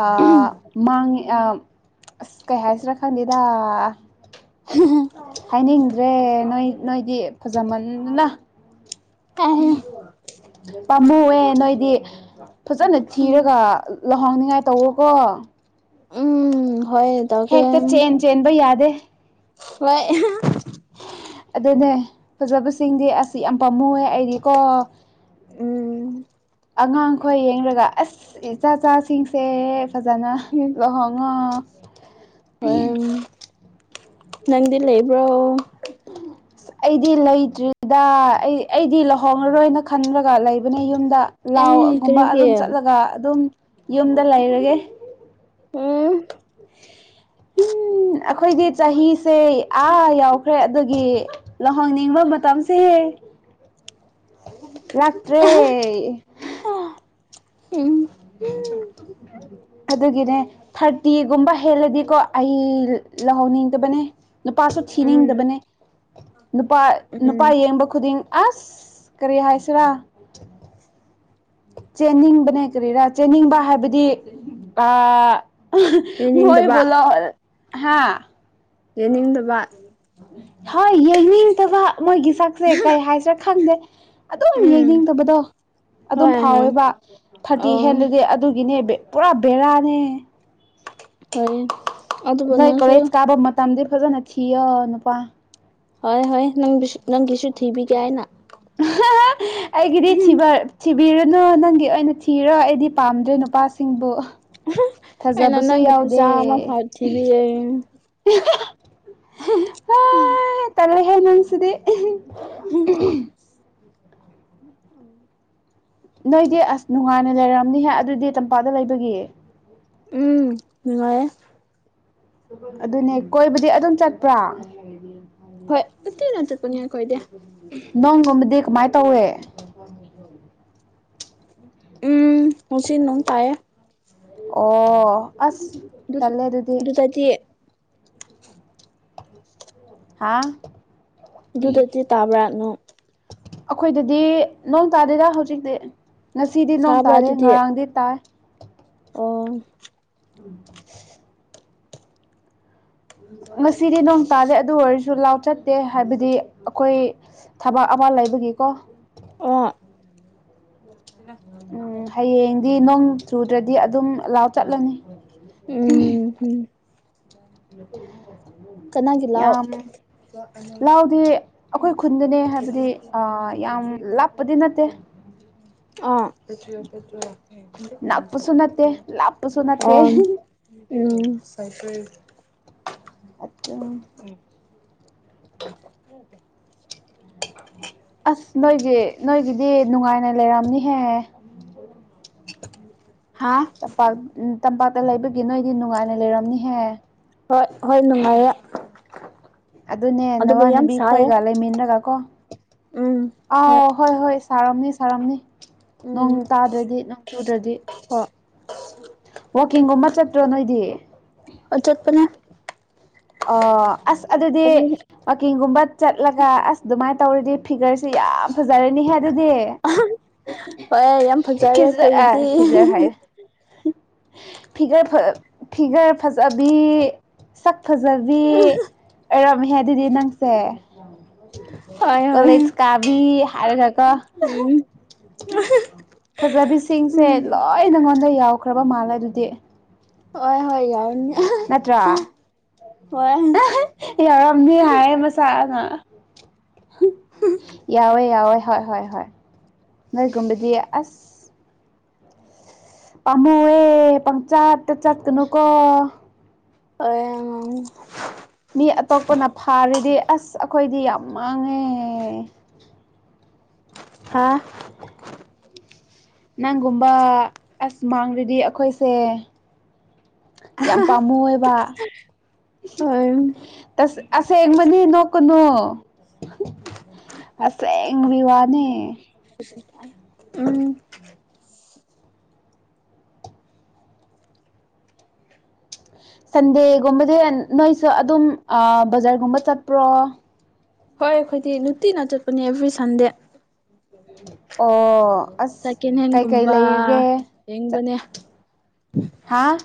ꯑꯥ ꯃꯥꯡꯉꯤ ꯑꯥꯁ ꯀꯩ ꯍꯥꯏꯁꯤꯔꯥ ꯈꯪꯗꯦꯗ [unintelligible] ꯍꯥꯏꯅꯤꯡꯗ꯭ꯔꯦ ꯅꯣꯏ ꯅꯣꯏꯗꯤ ꯐꯥꯖꯃꯟꯗꯅ ꯎꯝ ꯄꯥꯝꯃꯨꯌꯦ ꯅꯣꯏꯗꯤ ꯐꯥꯖꯅ ꯊꯤꯔꯒ ꯂꯨꯍꯣꯡꯅꯤꯡꯉꯥꯏ ꯇꯧꯔꯣꯀꯣ ꯎꯝ ꯍꯣꯏ ꯇꯧꯒꯦ ꯍꯦꯛꯇ ꯆꯦꯟ ꯆꯦꯟꯕ ꯌꯥꯗꯦ ꯍꯣꯏ ꯑꯗꯨꯅꯦ ꯐꯥꯖꯕꯁꯤꯡꯗꯤ ꯑꯥꯁ ꯌꯥꯝ ꯄꯥꯝꯃꯨꯑꯦ ꯑꯩꯗꯤꯀꯣ ꯎꯝ ꯑꯉꯥꯡꯈꯣꯏ ꯌꯦꯡꯂꯡꯔꯒ ꯑꯥꯁ ꯏꯆꯥ ꯆꯆꯥꯁꯤꯡꯁꯦ ꯐꯥꯖꯅ ꯂꯨꯍꯣꯡ ꯉꯣ ꯍꯣꯏ ꯅꯪꯗꯤ ꯂꯩꯕ꯭ꯔꯣ [inaudible] ꯑꯩꯗꯤ ꯂꯩꯇ꯭ꯔꯤꯗ ꯑꯩ ꯑꯩꯗꯤ ꯂꯨꯍꯣꯡꯉꯔꯣꯏꯅ ꯈꯟꯔꯒ ꯂꯩꯕꯅꯦ ꯌꯨꯝꯗ ꯑꯩ ꯂꯥꯎꯒꯨꯝꯕ ꯀꯔꯤꯒꯤ ꯑꯗꯨꯝ ꯆꯠꯂꯒ ꯑꯗꯨꯝ ꯌꯨꯝꯗ ꯂꯩꯔꯒꯦ ꯎꯝ ꯎꯝ ꯑꯩꯈꯣꯏꯗꯤ ꯆꯍꯤꯁꯦ ꯑꯥ ꯌꯥꯎꯈ꯭ꯔꯦ ꯑꯗꯨꯒꯤ ꯂꯧꯍꯣꯡꯅꯤꯡꯕ ꯃꯇꯝꯁꯦ ꯂꯥꯛꯇ꯭ꯔꯦ ꯑꯥ ꯎꯝ ꯑꯗꯨꯒꯤꯅꯦ ꯊꯥꯔꯇꯤꯒꯨꯝꯕ ꯍꯦꯜꯂꯗꯤꯀꯣ ꯑꯩ ꯂꯧꯍꯧꯅꯤꯡꯗꯕꯅꯦ ꯅꯨꯄꯥꯁꯨ ꯎꯝ ꯊꯤꯅꯤꯡꯗꯕꯅꯤ ꯅꯨꯄꯥ ꯎꯝ ꯅꯨꯄꯥ ꯌꯦꯡꯕ ꯈꯨꯗꯤꯡ ꯑꯁ ꯀꯔꯤ ꯍꯥꯏꯁꯤꯔꯥ ꯆꯦꯟꯅꯤꯡꯕꯅꯥ ꯀꯔꯤꯔꯥ ꯆꯦꯟꯅꯤꯡꯕ ꯍꯥꯏꯕꯗꯤ ꯑ ꯌꯦꯡꯅꯤꯡꯗꯕ ꯃꯣꯏꯕꯨ ꯂꯥꯛꯑꯣ ꯍꯥ ꯌꯥꯅꯤꯡꯗꯕ ꯍꯣꯏ ꯌꯦꯡꯅꯤꯡꯗꯕ ꯃꯣꯏꯒꯤ ꯁꯛꯁꯦ ꯀꯩ ꯍꯥꯏꯁꯤꯔꯥ ꯈꯪꯗꯦ ꯑꯗꯨꯝ ꯎꯝ ꯌꯦꯡꯅꯤꯡꯗꯕꯗꯣ ꯑꯗꯨꯝ ꯍꯣꯏ ꯍꯣꯏ ꯐꯥꯎꯋꯦꯕ ꯊꯥꯔꯇꯤ ꯑꯣ ꯍꯦꯜꯂꯗꯤ ꯑꯗꯨꯒꯤꯅꯦ ꯄꯨꯔꯥ ꯕꯔꯥꯅꯦꯍꯦ ꯀ ꯅꯣꯏ ꯀꯣꯂꯦꯁ ꯀꯥꯕ ꯃꯇꯝꯗꯤ ꯐꯖꯅ ꯊꯤꯑꯣ ꯅꯨꯄꯥ ꯍꯣꯏ ꯍꯣꯏ ꯅꯪꯁꯨ ꯅꯪꯒꯤꯁꯨ ꯊꯤꯕꯤꯒꯦ ꯍꯥꯏꯅ ꯑꯩꯒꯤꯗꯤ ꯊꯤꯕ ꯕꯤꯔꯅꯨ ꯅꯪꯒꯤ ꯑꯣꯏꯅ ꯊꯤꯔꯣ ꯑꯩꯗꯤ ꯄꯥꯝꯗ꯭ꯔꯦ ꯅꯨꯄꯥꯁꯤꯡꯕꯨ ꯑꯩꯅ ꯊꯥꯖꯕꯁꯨ ꯅꯪꯒꯤ ꯌꯥꯎꯗꯦ ꯐꯖꯥ ꯑꯃ ꯐꯥꯎ ꯊꯤꯕꯤꯔꯛꯏ ꯑ ꯇꯂꯦ ꯍꯦ ꯅꯣꯁꯤꯗꯤ ꯎꯝ ꯎ ꯎ [unintelligible] ꯅꯣꯏꯗꯤ ꯑꯁ ꯅꯨꯡꯉꯥꯏꯅ ꯂꯩꯔꯝꯅꯤꯍꯦ ꯑꯗꯨꯗꯤ ꯇꯝꯄꯥꯛꯗ ꯂꯩꯕꯒꯤ ꯎꯝ ꯅꯨꯡꯉꯥꯏꯌꯦ ꯑꯗꯨꯅꯦ ꯀꯣꯏꯕꯗꯤ ꯑꯗꯨꯝ ꯆꯠꯄ꯭ꯔꯥ ꯍꯣꯏ ꯇꯠꯇꯤꯅ ꯆꯠꯄꯅꯦ ꯑꯩꯈꯣꯏꯗꯦ ꯅꯣꯡꯒꯨꯝꯕꯗꯤ ꯀꯃꯥꯏꯅ ꯇꯧꯋꯦ ꯎꯝ ꯉꯁꯤ ꯅꯣꯡ ꯇꯥꯏꯌꯦ ꯑꯣ ꯑꯁ ꯇꯜꯂꯦ ꯑꯗꯨꯗꯤ ꯗꯨꯗꯒꯤ ꯍꯥꯥ ꯑꯗꯨꯗꯗꯤ ꯇꯥꯕ꯭ꯔꯥ ꯅꯣꯡ ꯑꯩꯈꯣꯏꯗꯗꯤ ꯅꯣꯡ ꯇꯥꯗꯦꯗꯥ ꯍꯧꯖꯤꯛꯇꯤ ꯉꯁꯤꯗꯤ ꯅꯣꯡ ꯁꯥꯕ꯭ꯔꯥ ꯇꯥꯗꯦ ꯑꯗꯨꯗꯤ ꯉꯔꯥꯡꯗꯤ ꯇꯥꯏ ꯑꯣ ꯎꯝ ꯉꯁꯤꯗꯤ ꯅꯣꯡ ꯇꯥꯗꯦ ꯑꯗꯨ ꯑꯣꯏꯔꯁꯨ ꯂꯥꯎ ꯆꯠꯇꯦ ꯍꯥꯏꯕꯗꯤ ꯑꯩꯈꯣꯏ ꯊꯕꯛ ꯑꯃ ꯂꯩꯕꯒꯤꯀꯣ ꯑꯣ ꯎꯝ ꯍꯌꯦꯡꯗꯤ ꯅꯣꯡ ꯆꯨꯗ꯭ꯔꯗꯤ ꯑꯗꯨꯝ ꯂꯥꯎ ꯆꯠꯂꯅꯤ ꯎꯝ ꯎꯝ ꯀꯅꯥꯒꯤ ꯂꯥꯎ ꯌꯥꯝ ꯂꯥꯎꯗꯤ ꯑꯩꯈꯣꯏ ꯈꯨꯟꯗꯅꯦ ꯍꯥꯏꯕꯗꯤ ꯌꯥꯝ ꯂꯥꯞꯄꯗꯤ ꯅꯠꯇꯦ ꯑꯥ ꯅꯛꯄꯁꯨ ꯅꯠꯇꯦ ꯂꯥꯞꯄꯁꯨ ꯅꯠꯇꯦ ꯑ ꯎꯝ ꯑ ꯎꯝ [unintelligible] ꯑꯁ ꯅꯣꯏꯒꯤ ꯅꯣꯏꯒꯤꯗꯤ ꯅꯨꯡꯉꯥꯏꯅ ꯂꯩꯔꯝꯅꯤꯍꯦ [inaudible] ꯍꯥꯥ ꯇꯝꯄꯥꯛ ꯇꯝꯄꯥꯛꯇ ꯂꯩꯕꯒꯤ ꯅꯣꯏꯗꯤ ꯅꯨꯡꯉꯥꯏꯅ ꯂꯩꯔꯝꯅꯤꯍꯦ ꯍꯣꯏ ꯍꯣꯏ ꯅꯨꯡꯉꯥꯏꯔꯦ ꯑꯗꯨꯅꯦ ꯅꯃꯤꯟꯅꯕꯤ ꯈꯣꯏꯒ ꯂꯩꯃꯤꯟꯅꯔꯒ ꯀꯣ ꯎꯝ ꯑꯥꯎ ꯍꯣꯏ ꯍꯣꯏ ꯁꯥꯔꯝꯅꯤ ꯁꯥꯔꯝꯅꯤ ꯅꯣꯡ ꯎꯝ ꯇꯥꯗ꯭ꯔꯗꯤ ꯅꯣꯡ ꯆꯨꯗ꯭ꯔꯗꯤ ꯍꯣꯏ ꯋꯥꯛꯀꯤꯡꯒꯨꯝꯕ ꯆꯠꯇ꯭ꯔꯣ ꯅꯣꯏꯗꯤ ꯑꯣ ꯆꯠꯄꯅꯦ ꯑ ꯑꯁ ꯑꯗꯨꯗꯤ ꯋꯥꯛꯀꯤꯡꯒꯨꯝꯕ ꯆꯠꯂꯒ ꯑꯁ ꯑꯗꯨꯃꯥꯏꯅ ꯇꯧꯔꯗꯤ ꯐꯤꯒꯔꯁꯤ ꯌꯥꯝ ꯐꯖꯔꯅꯤꯍꯦ ꯑꯗꯨꯗꯤ ꯍꯣꯏ ꯌꯥꯝ ꯐꯖꯔꯦ ꯐꯤꯖꯔ ꯑ ꯑꯩꯈꯣꯏꯒꯤꯗꯤ ꯐꯤꯖꯔ ꯍꯥꯏꯌꯦ ꯐꯤꯒꯔ ꯐꯤꯒꯔ ꯐꯖꯕꯤ ꯁꯛ ꯐꯖꯕꯤ ꯑꯣꯏꯔꯝꯃꯦ ꯑꯗꯨꯗꯤ ꯅꯪꯁꯦ ꯍꯣꯏ ꯍꯣꯏ ꯀꯣꯂꯦꯖ ꯀꯥꯕꯤ ꯍꯥꯏꯔ ꯒꯣ ꯎꯝ ꯐꯖꯕꯤꯁꯤꯡꯁꯦ ꯎꯝ ꯂꯣꯏ ꯅꯪꯉꯣꯟꯗ ꯌꯥꯎꯈ꯭ꯔꯕ ꯃꯥꯜꯂꯦ ꯑꯗꯨꯗꯤ ꯍꯣꯢ ꯍꯣꯏ ꯌꯥꯎꯅꯤ ꯅꯠꯇ꯭ꯔꯥ ꯍꯣꯢ ꯌꯥꯎꯔꯝꯅꯤ ꯍꯥꯏꯕ ꯃꯁꯥꯅ ꯌꯥꯎꯋꯦ ꯌꯥꯎꯋꯦ ꯍꯣꯏ ꯍꯣꯏ ꯍꯣꯏ ꯅꯣꯏ ꯀꯨꯝꯕꯗꯤ ꯑꯁ ꯄꯥꯝꯃꯨꯢꯑꯦ ꯄꯪꯆꯠ ꯇ ꯆꯠꯀꯅꯨ ꯀꯣ ꯑ [unintelligible] ꯃꯤ ꯑꯇꯣꯞꯄꯅ ꯐꯥꯔꯤꯗꯤ ꯑꯁ ꯑꯩꯈꯣꯏꯗꯤ ꯌꯥꯝ ꯃꯥꯡꯉꯦ ꯍꯥ ꯅꯪꯒꯨꯝꯕ ꯑꯁ ꯃꯥꯡꯗꯗꯤ ꯑꯩꯈꯣꯏꯁꯦ ꯌꯥꯝ ꯄꯥꯝꯃꯨꯢꯑꯦꯕ ꯍꯣꯏ ꯎꯝ ꯇꯁ ꯑꯁꯦꯡꯕꯅꯤ ꯅꯣꯛꯀꯅꯨ ꯑꯁꯦꯡꯕꯒꯤ ꯋꯥꯅꯦ ꯄꯨꯁꯤ [unintelligible] ꯁꯟꯗꯦꯒꯨꯝꯕꯗꯤ ꯅꯣꯏꯁꯨ ꯑꯗꯨꯝ ꯕꯖꯥꯔꯒꯨꯝꯕ ꯆꯠꯄ꯭ꯔꯣ ꯍꯣꯏ ꯑꯩꯈꯣꯏꯗꯤ ꯅꯨꯡꯇꯤꯅ ꯆꯠꯄꯅꯦ ꯑꯦꯕ꯭ꯔꯤ ꯁꯟꯗꯦ ꯑꯣ ꯑꯁ ꯁꯦꯀꯦꯟ ꯀꯩꯀꯩ ꯍꯦꯟꯒꯨꯝꯕ ꯂꯩꯔꯤꯒꯦ ꯌꯦꯡꯕꯅꯦ ꯍꯥ ꯑꯁ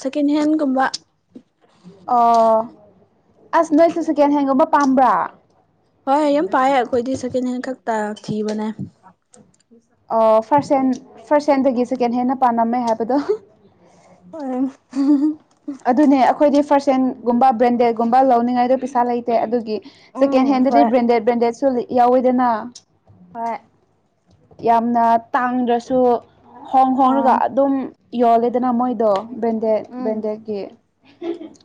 ꯁꯦꯀꯦꯟ ꯍꯦꯟꯒꯨꯝꯕ ꯑꯣ ꯑꯁ ꯅꯣꯏꯁꯨ ꯁꯦꯀꯦꯟ ꯍꯦꯟꯒꯨꯝꯕ ꯄꯥꯝꯕ꯭ꯔꯥ ꯍꯣꯏ ꯍꯣꯏ ꯌꯥꯝ ꯄꯥꯏꯑꯦ ꯑꯩꯈꯣꯏꯗꯤ ꯁꯦꯀꯦꯟ ꯍꯦꯟ ꯈꯛꯇ ꯊꯤꯕꯅꯦ ꯐꯥꯔꯁ ꯍꯦꯟ ꯐꯥꯔꯁ ꯍꯦꯟꯗꯒꯤ ꯁꯦꯀꯦꯟ ꯍꯦꯟꯅ ꯄꯥꯝꯃꯥꯝꯃꯦ ꯍꯥꯏꯕꯗꯣ ꯍꯣꯢ ꯑꯗꯨꯅꯦ ꯑꯩꯈꯣꯏꯗꯤ ꯐꯥꯔꯁ ꯍꯦꯟꯒꯨꯝꯕ ꯕ꯭ꯔꯦꯟꯗꯦꯗꯒꯨꯝꯕ ꯂꯧꯅꯤꯡꯉꯥꯏꯗꯣ ꯄꯩꯁꯥ ꯂꯩꯇꯦ ꯑꯗꯨꯒꯤ ꯎꯝ ꯁꯦꯀꯦꯟ ꯍꯦꯟꯗꯗꯤ ꯍꯣꯏ ꯕ꯭ꯔꯦꯟꯗꯦꯠ ꯕ꯭ꯔꯦꯟꯗꯦꯗꯁꯨ ꯌꯥꯎꯋꯤꯗꯅ ꯍꯣꯏ ꯌꯥꯝꯅ ꯇꯥꯡꯗ꯭ꯔꯁꯨ ꯍꯣꯡ ꯍꯣꯡꯉꯒ ꯑꯗꯨꯝ ꯌꯣꯜꯂꯦꯗꯅ ꯃꯣꯏꯗꯣ ꯕ꯭ꯔꯦꯟꯗꯦꯠ ꯎꯝ ꯕ꯭ꯔꯦꯟꯗꯦꯠꯀꯤ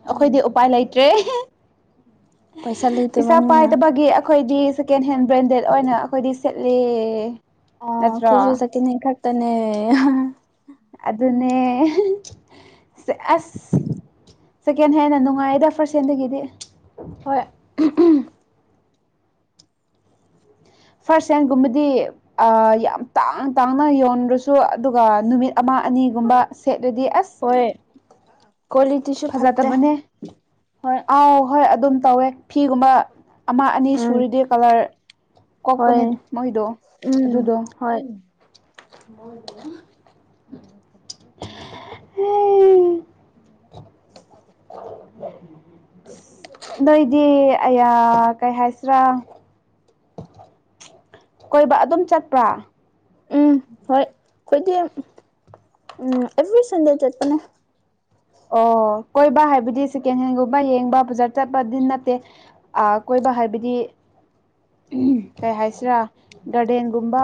ꯎꯝ ꯑꯩꯈꯣꯏꯗꯤ ꯎꯄꯥꯏ ꯂꯩꯇꯦ ꯇꯦ [unintelligible] ꯄꯩꯁꯥ ꯄꯩꯁꯥ ꯂꯩꯇꯕꯅꯤꯅ ꯄꯥꯏꯗꯕꯒꯤ ꯑꯩꯈꯣꯏꯗꯤ ꯁꯦꯀꯦꯟ ꯍꯦꯟ ꯕ꯭ꯔꯦꯟꯗꯦꯗ ꯑꯣꯏꯅ ꯑꯩꯈꯣꯏꯗꯤ ꯁꯦꯠꯂꯦ ꯑ ꯅꯠꯇ꯭ꯔꯣ ꯑꯩꯈꯣꯏꯁꯨ ꯁꯦꯀꯦꯟ ꯈꯛꯇꯅꯦ ꯑꯗꯨꯅꯦ ꯑꯁ ꯁꯦꯀꯦꯟ ꯍꯦꯟꯅ ꯅꯨꯡꯉꯥꯏꯗ ꯐꯥꯔꯁ ꯍꯦꯟꯗꯒꯤꯗꯤ ꯍꯣꯏ [unintelligible] ꯐꯥꯔꯁ ꯍꯦꯟꯒꯨꯝꯕꯗꯤ ꯑ ꯌꯥꯝ ꯇꯥꯡꯅ ꯇꯥꯡꯅ ꯌꯣꯟꯗꯁꯨ ꯁꯨ ꯑꯗꯨꯒ ꯅꯨꯃꯤꯠ ꯑꯃ ꯑꯅꯤꯒꯨꯝꯕ ꯁꯦꯠꯂꯗꯤ ꯑꯁ ꯀꯣꯂꯤ ꯐꯖꯗꯕꯅꯦ ꯑꯥꯎ ꯍꯣꯏ ꯑꯗꯨꯝ ꯇꯧꯋꯦ ꯐꯤꯒꯨꯝꯕ ꯑꯃ ꯑꯅꯤ ꯎꯝ ꯁꯨꯔꯗꯤ ꯀꯂꯔ ꯍꯣꯏ ꯀꯣꯛꯄꯅꯦ ꯃꯣꯏꯗꯣ ꯎꯝ ꯑꯗꯨꯗꯣ ꯍꯣꯏ [unintelligible] [unintelligible] ꯅꯣꯏꯗꯤ ꯑꯌꯥ ꯀꯩ ꯍꯥꯏꯁꯤꯔꯥ ꯀꯣꯏꯕ ꯑꯗꯨꯝ ꯆꯠꯄ꯭ꯔꯥ ꯎꯝ ꯍꯣꯏ ꯑꯩꯈꯣꯏꯗꯤ ꯎꯝ ꯑꯦꯚ꯭ꯔꯤ ꯁꯟꯗꯦ ꯆꯠꯄꯅꯦ ꯑꯣ ꯀꯣꯏꯕ ꯍꯥꯏꯕꯗꯤ ꯁꯦꯀꯦꯟ ꯍꯦꯟꯒꯨꯝꯕ ꯌꯦꯡꯕ ꯐꯖꯥ ꯆꯠꯄꯗꯤ ꯅꯠꯇꯦ ꯑꯥ ꯀꯣꯏꯕ ꯍꯥꯏꯕꯗꯤ ꯀꯩ ꯍꯥꯏꯁꯤꯔꯥ ꯒꯥꯔꯗꯦꯟꯒꯨꯝꯕ